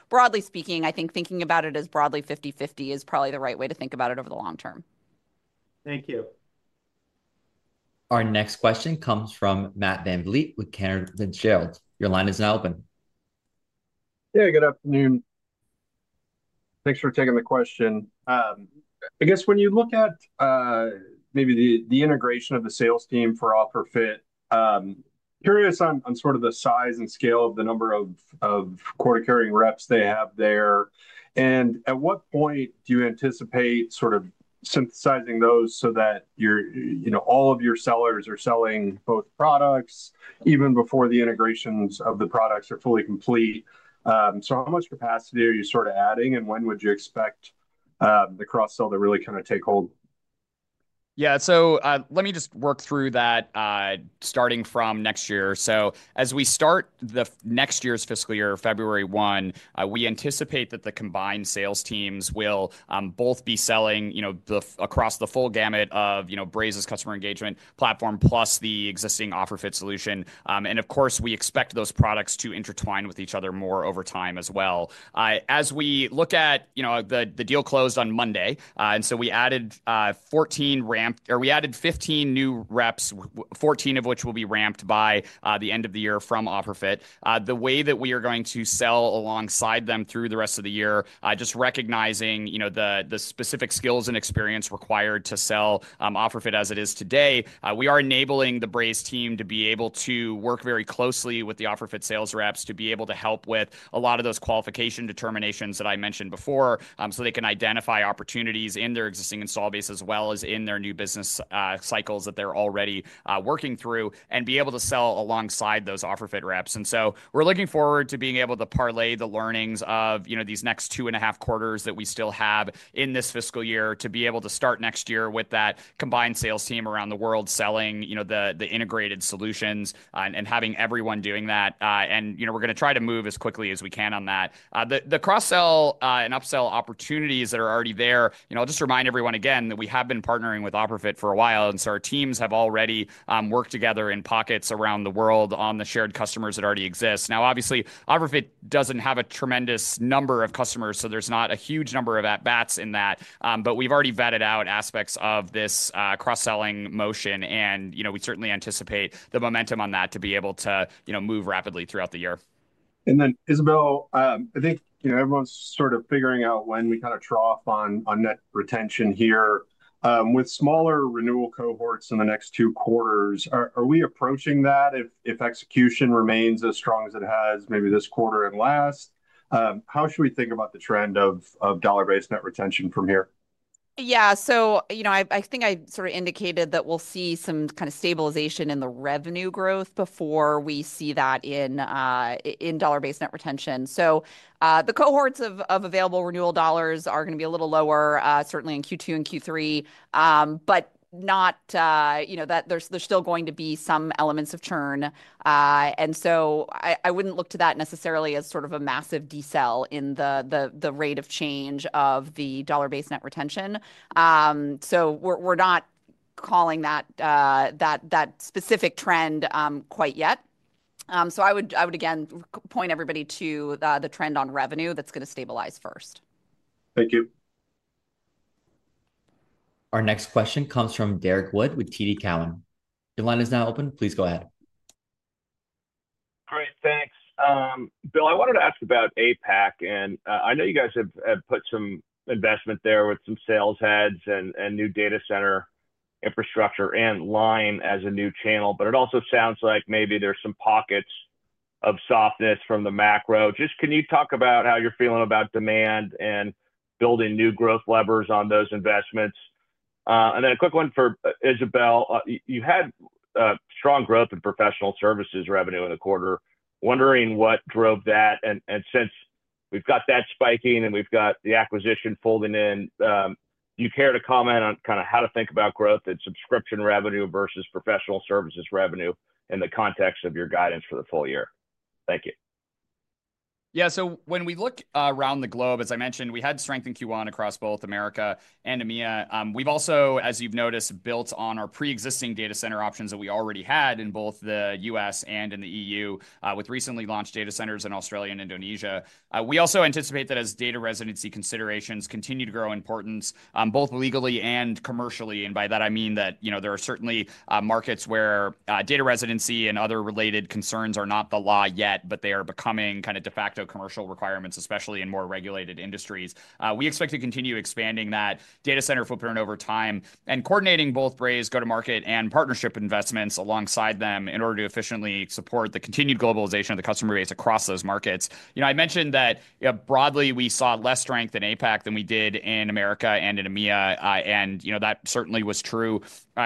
Broadly speaking, I think thinking about it as broadly 50-50 is probably the right way to think about it over the long term. Thank you. Our next question comes from Matt Van Vliet with Cantor Fitzgerald. Your line is now open. Yeah, good afternoon. Thanks for taking the question. I guess when you look at maybe the integration of the sales team for OfferFit, curious on sort of the size and scale of the number of quota-carrying reps they have there. At what point do you anticipate sort of synthesizing those so that you're, you know, all of your sellers are selling both products even before the integrations of the products are fully complete? How much capacity are you sort of adding and when would you expect the cross-sell to really kind of take hold? Yeah, so let me just work through that starting from next year. As we start the next year's fiscal year, February 1, we anticipate that the combined sales teams will both be selling, you know, across the full gamut of, you know, Braze's customer engagement platform plus the existing OfferFit solution. Of course, we expect those products to intertwine with each other more over time as well. As we look at, you know, the deal closed on Monday, and so we added 15 new reps, 14 of which will be ramped by the end of the year from OfferFit. The way that we are going to sell alongside them through the rest of the year, just recognizing, you know, the specific skills and experience required to sell OfferFit as it is today, we are enabling the Braze team to be able to work very closely with the OfferFit sales reps to be able to help with a lot of those qualification determinations that I mentioned before so they can identify opportunities in their existing install base as well as in their new business cycles that they're already working through and be able to sell alongside those OfferFit reps. We're looking forward to being able to parlay the learnings of, you know, these next two and a half quarters that we still have in this fiscal year to be able to start next year with that combined sales team around the world selling, you know, the integrated solutions and having everyone doing that. You know, we're going to try to move as quickly as we can on that. The cross-sell and upsell opportunities that are already there, you know, I'll just remind everyone again that we have been partnering with OfferFit for a while, and so our teams have already worked together in pockets around the world on the shared customers that already exist. Now, obviously, OfferFit doesn't have a tremendous number of customers, so there's not a huge number of at-bats in that, but we've already vetted out aspects of this cross-selling motion, and, you know, we certainly anticipate the momentum on that to be able to, you know, move rapidly throughout the year. Isabelle, I think, you know, everyone's sort of figuring out when we kind of draw off on net retention here with smaller renewal cohorts in the next two quarters. Are we approaching that if execution remains as strong as it has maybe this quarter and last? How should we think about the trend of dollar-based net retention from here? Yeah, so, you know, I think I sort of indicated that we'll see some kind of stabilization in the revenue growth before we see that in dollar-based net retention. The cohorts of available renewal dollars are going to be a little lower, certainly in Q2 and Q3, but not, you know, that there's still going to be some elements of churn. I wouldn't look to that necessarily as sort of a massive desell in the rate of change of the dollar-based net retention. We're not calling that specific trend quite yet. I would, I would again point everybody to the trend on revenue that's going to stabilize first. Thank you. Our next question comes from Derrick Wood with TD Cowen. Your line is now open. Please go ahead. Great, thanks. Bill, I wanted to ask about APAC, and I know you guys have put some investment there with some sales heads and new data center infrastructure and line as a new channel, but it also sounds like maybe there's some pockets of softness from the macro. Just can you talk about how you're feeling about demand and building new growth levers on those investments? A quick one for Isabelle. You had strong growth in professional services revenue in the quarter. Wondering what drove that, and since we've got that spiking and we've got the acquisition folding in, do you care to comment on kind of how to think about growth and subscription revenue versus professional services revenue in the context of your guidance for the full year? Thank you. Yeah, so when we look around the globe, as I mentioned, we had strength in Q1 across both America and EMEA. We've also, as you've noticed, built on our pre-existing data center options that we already had in both the US and in the EU with recently launched data centers in Australia and Indonesia. We also anticipate that as data residency considerations continue to grow in importance, both legally and commercially, and by that I mean that, you know, there are certainly markets where data residency and other related concerns are not the law yet, but they are becoming kind of de facto commercial requirements, especially in more regulated industries. We expect to continue expanding that data center footprint over time and coordinating both Braze go-to-market and partnership investments alongside them in order to efficiently support the continued globalization of the customer base across those markets. You know, I mentioned that broadly we saw less strength in APAC than we did in America and in EMEA, and, you know, that certainly was true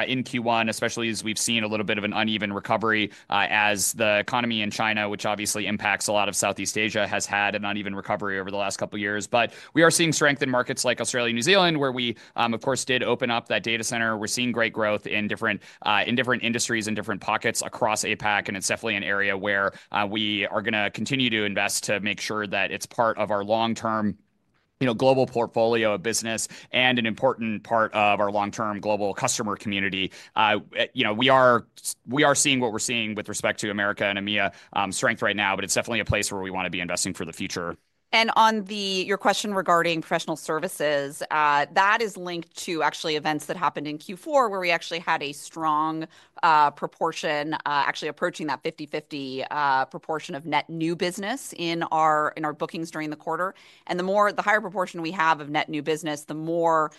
in Q1, especially as we've seen a little bit of an uneven recovery as the economy in China, which obviously impacts a lot of Southeast Asia, has had an uneven recovery over the last couple of years. We are seeing strength in markets like Australia and New Zealand, where we, of course, did open up that data center. We're seeing great growth in different industries and different pockets across APAC, and it's definitely an area where we are going to continue to invest to make sure that it's part of our long-term, you know, global portfolio of business and an important part of our long-term global customer community. You know, we are seeing what we're seeing with respect to America and EMEA strength right now, but it's definitely a place where we want to be investing for the future. On your question regarding professional services, that is linked to actually events that happened in Q4 where we actually had a strong proportion, actually approaching that 50/50 proportion of net new business in our bookings during the quarter. The higher proportion we have of net new business, the more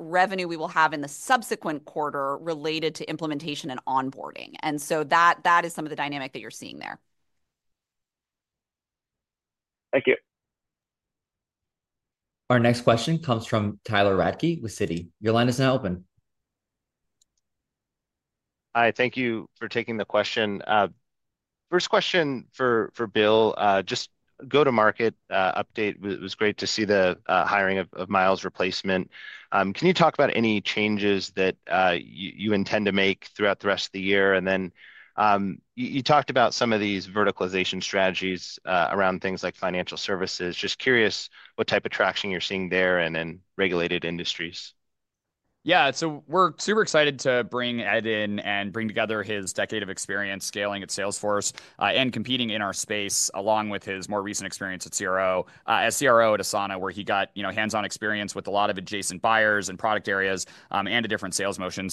revenue we will have in the subsequent quarter related to implementation and onboarding. That is some of the dynamic that you're seeing there. Thank you. Our next question comes from Tyler Radke with Citi. Your line is now open. Hi, thank you for taking the question. First question for Bill, just go-to-market update. It was great to see the hiring of Myles' replacement. Can you talk about any changes that you intend to make throughout the rest of the year? You talked about some of these verticalization strategies around things like financial services. Just curious what type of traction you're seeing there and in regulated industries. Yeah, so we're super excited to bring Ed in and bring together his decade of experience scaling at Salesforce and competing in our space along with his more recent experience as CRO at Asana, where he got, you know, hands-on experience with a lot of adjacent buyers and product areas and a different sales motion.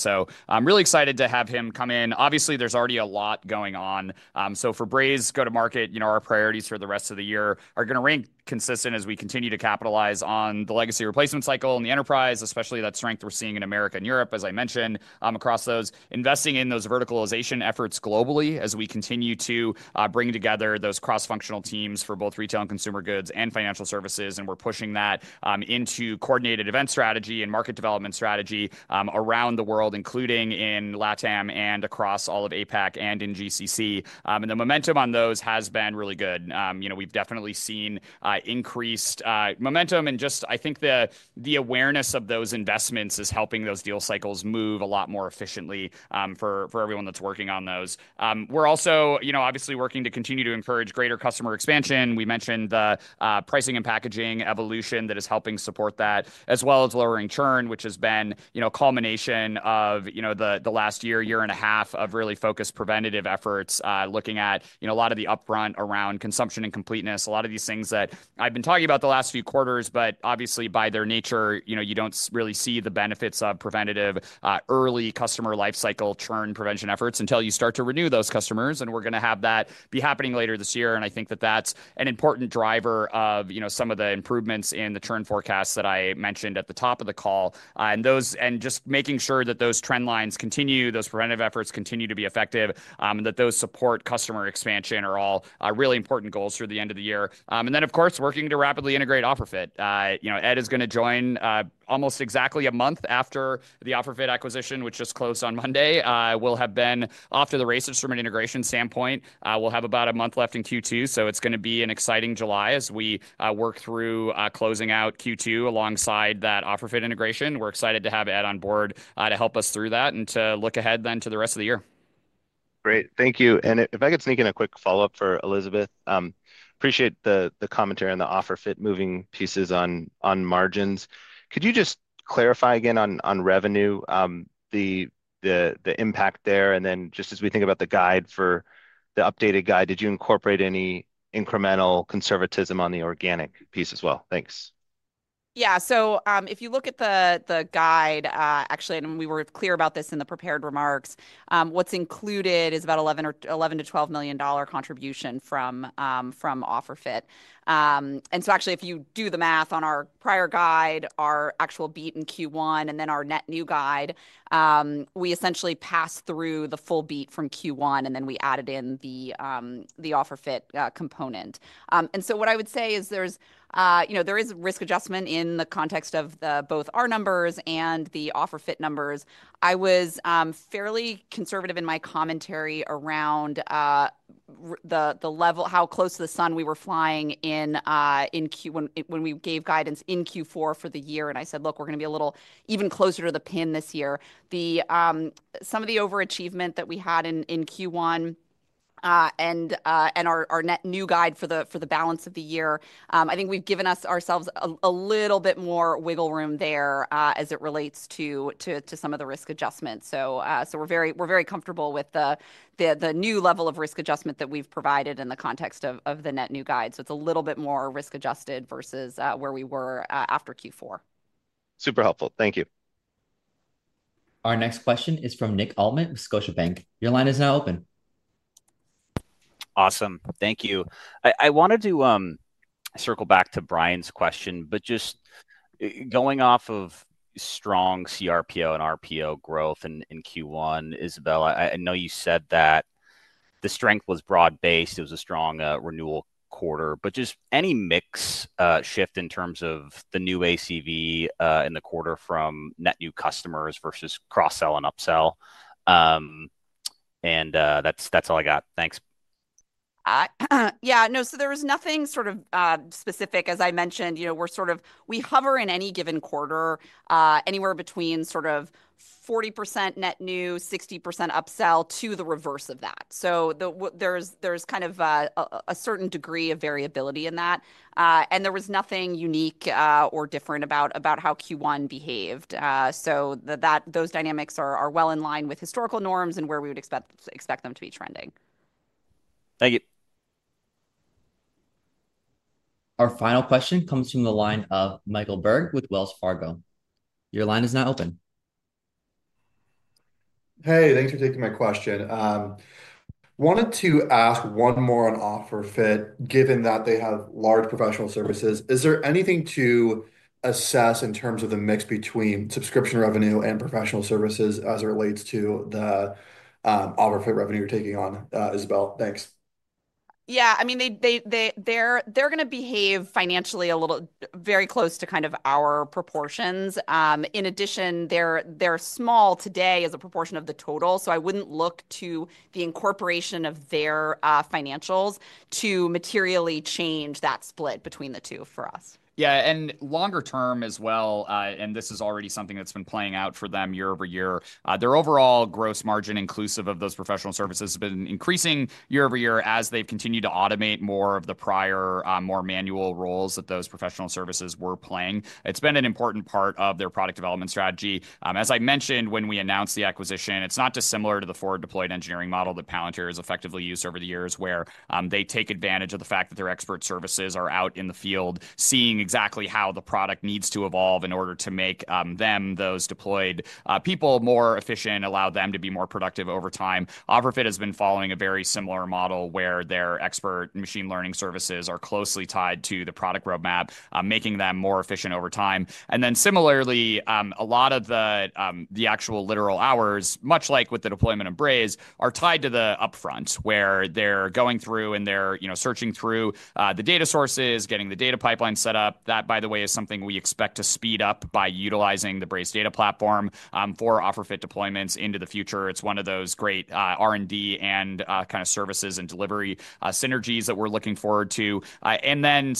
I'm really excited to have him come in. Obviously, there's already a lot going on. For Braze go-to-market, you know, our priorities for the rest of the year are going to remain consistent as we continue to capitalize on the legacy replacement cycle and the enterprise, especially that strength we're seeing in America and Europe, as I mentioned, across those, investing in those verticalization efforts globally as we continue to bring together those cross-functional teams for both retail and consumer goods and financial services. We're pushing that into coordinated event strategy and market development strategy around the world, including in LATAM and across all of APAC and in GCC. The momentum on those has been really good. You know, we've definitely seen increased momentum and just I think the awareness of those investments is helping those deal cycles move a lot more efficiently for everyone that's working on those. We're also, you know, obviously working to continue to encourage greater customer expansion. We mentioned the pricing and packaging evolution that is helping support that, as well as lowering churn, which has been, you know, a culmination of, you know, the last year, year and a half of really focused preventative efforts looking at, you know, a lot of the upfront around consumption and completeness, a lot of these things that I've been talking about the last few quarters. Obviously by their nature, you know, you do not really see the benefits of preventative early customer lifecycle churn prevention efforts until you start to renew those customers. We are going to have that be happening later this year. I think that that is an important driver of, you know, some of the improvements in the churn forecasts that I mentioned at the top of the call. Those, and just making sure that those trend lines continue, those preventative efforts continue to be effective, and that those support customer expansion are all really important goals through the end of the year. Of course, working to rapidly integrate OfferFit. You know, Ed is going to join almost exactly a month after the OfferFit acquisition, which just closed on Monday. We'll have been off to the race from an integration standpoint. We'll have about a month left in Q2, so it's going to be an exciting July as we work through closing out Q2 alongside that OfferFit integration. We're excited to have Ed on board to help us through that and to look ahead then to the rest of the year. Great, thank you. If I could sneak in a quick follow-up for Isabelle, appreciate the commentary on the OfferFit moving pieces on margins. Could you just clarify again on revenue, the impact there, and then just as we think about the guide for the updated guide, did you incorporate any incremental conservatism on the organic piece as well? Thanks. Yeah, if you look at the guide, actually, and we were clear about this in the prepared remarks, what's included is about $11-$12 million contribution from OfferFit. If you do the math on our prior guide, our actual beat in Q1, and then our net new guide, we essentially passed through the full beat from Q1, and then we added in the OfferFit component. What I would say is there's, you know, there is risk adjustment in the context of both our numbers and the OfferFit numbers. I was fairly conservative in my commentary around the level, how close to the sun we were flying in Q1 when we gave guidance in Q4 for the year. I said, look, we're going to be a little even closer to the pin this year. Some of the overachievement that we had in Q1 and our net new guide for the balance of the year, I think we've given ourselves a little bit more wiggle room there as it relates to some of the risk adjustments. We are very comfortable with the new level of risk adjustment that we've provided in the context of the net new guide. It is a little bit more risk adjusted versus where we were after Q4. Super helpful, thank you. Our next question is from Nick Altmann with Scotiabank. Your line is now open. Awesome, thank you. I wanted to circle back to Brian's question, but just going off of strong CRPO and RPO growth in Q1, Isabelle, I know you said that the strength was broad-based. It was a strong renewal quarter, just any mix shift in terms of the new ACV in the quarter from net new customers versus cross-sell and upsell. That's all I got, thanks. Yeah, no, so there was nothing sort of specific. As I mentioned, you know, we're sort of, we hover in any given quarter anywhere between sort of 40% net new, 60% upsell to the reverse of that. There is kind of a certain degree of variability in that. There was nothing unique or different about how Q1 behaved. Those dynamics are well in line with historical norms and where we would expect them to be trending. Thank you. Our final question comes from the line of Michael Berg with Wells Fargo. Your line is now open. Hey, thanks for taking my question. Wanted to ask one more on OfferFit, given that they have large professional services. Is there anything to assess in terms of the mix between subscription revenue and professional services as it relates to the OfferFit revenue you're taking on, Isabelle? Thanks. Yeah, I mean, they're going to behave financially a little very close to kind of our proportions. In addition, they're small today as a proportion of the total. I wouldn't look to the incorporation of their financials to materially change that split between the two for us. Yeah, and longer term as well, and this is already something that's been playing out for them year over year. Their overall gross margin, inclusive of those professional services, has been increasing year over year as they've continued to automate more of the prior, more manual roles that those professional services were playing. It's been an important part of their product development strategy. As I mentioned, when we announced the acquisition, it's not dissimilar to the forward-deployed engineering model that Palantir has effectively used over the years, where they take advantage of the fact that their expert services are out in the field, seeing exactly how the product needs to evolve in order to make those deployed people more efficient, allow them to be more productive over time. OfferFit has been following a very similar model where their expert machine learning services are closely tied to the product roadmap, making them more efficient over time. Similarly, a lot of the actual literal hours, much like with the deployment of Braze, are tied to the upfront, where they're going through and they're searching through the data sources, getting the data pipeline set up. That, by the way, is something we expect to speed up by utilizing the Braze Data Platform for OfferFit deployments into the future. It's one of those great R&D and kind of services and delivery synergies that we're looking forward to.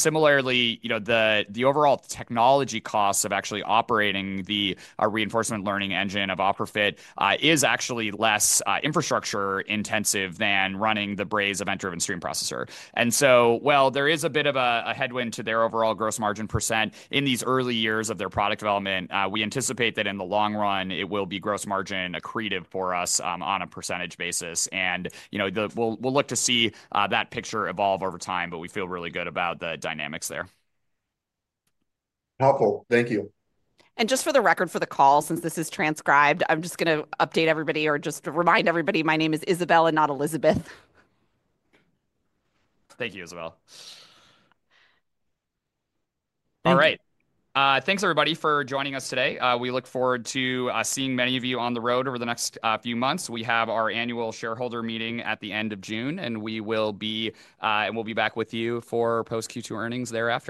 Similarly, you know, the overall technology costs of actually operating the reinforcement learning engine of OfferFit is actually less infrastructure intensive than running the Braze event-driven stream processor. There is a bit of a headwind to their overall gross margin % in these early years of their product development. We anticipate that in the long run, it will be gross margin accretive for us on a percentage basis. You know, we'll look to see that picture evolve over time, but we feel really good about the dynamics there. Helpful, thank you. Just for the record for the call, since this is transcribed, I'm just going to update everybody or just remind everybody my name is Isabelle and not Elizabeth. Thank you, Isabelle. All right, thanks everybody for joining us today. We look forward to seeing many of you on the road over the next few months. We have our annual shareholder meeting at the end of June, and we will be back with you for post-Q2 earnings thereafter.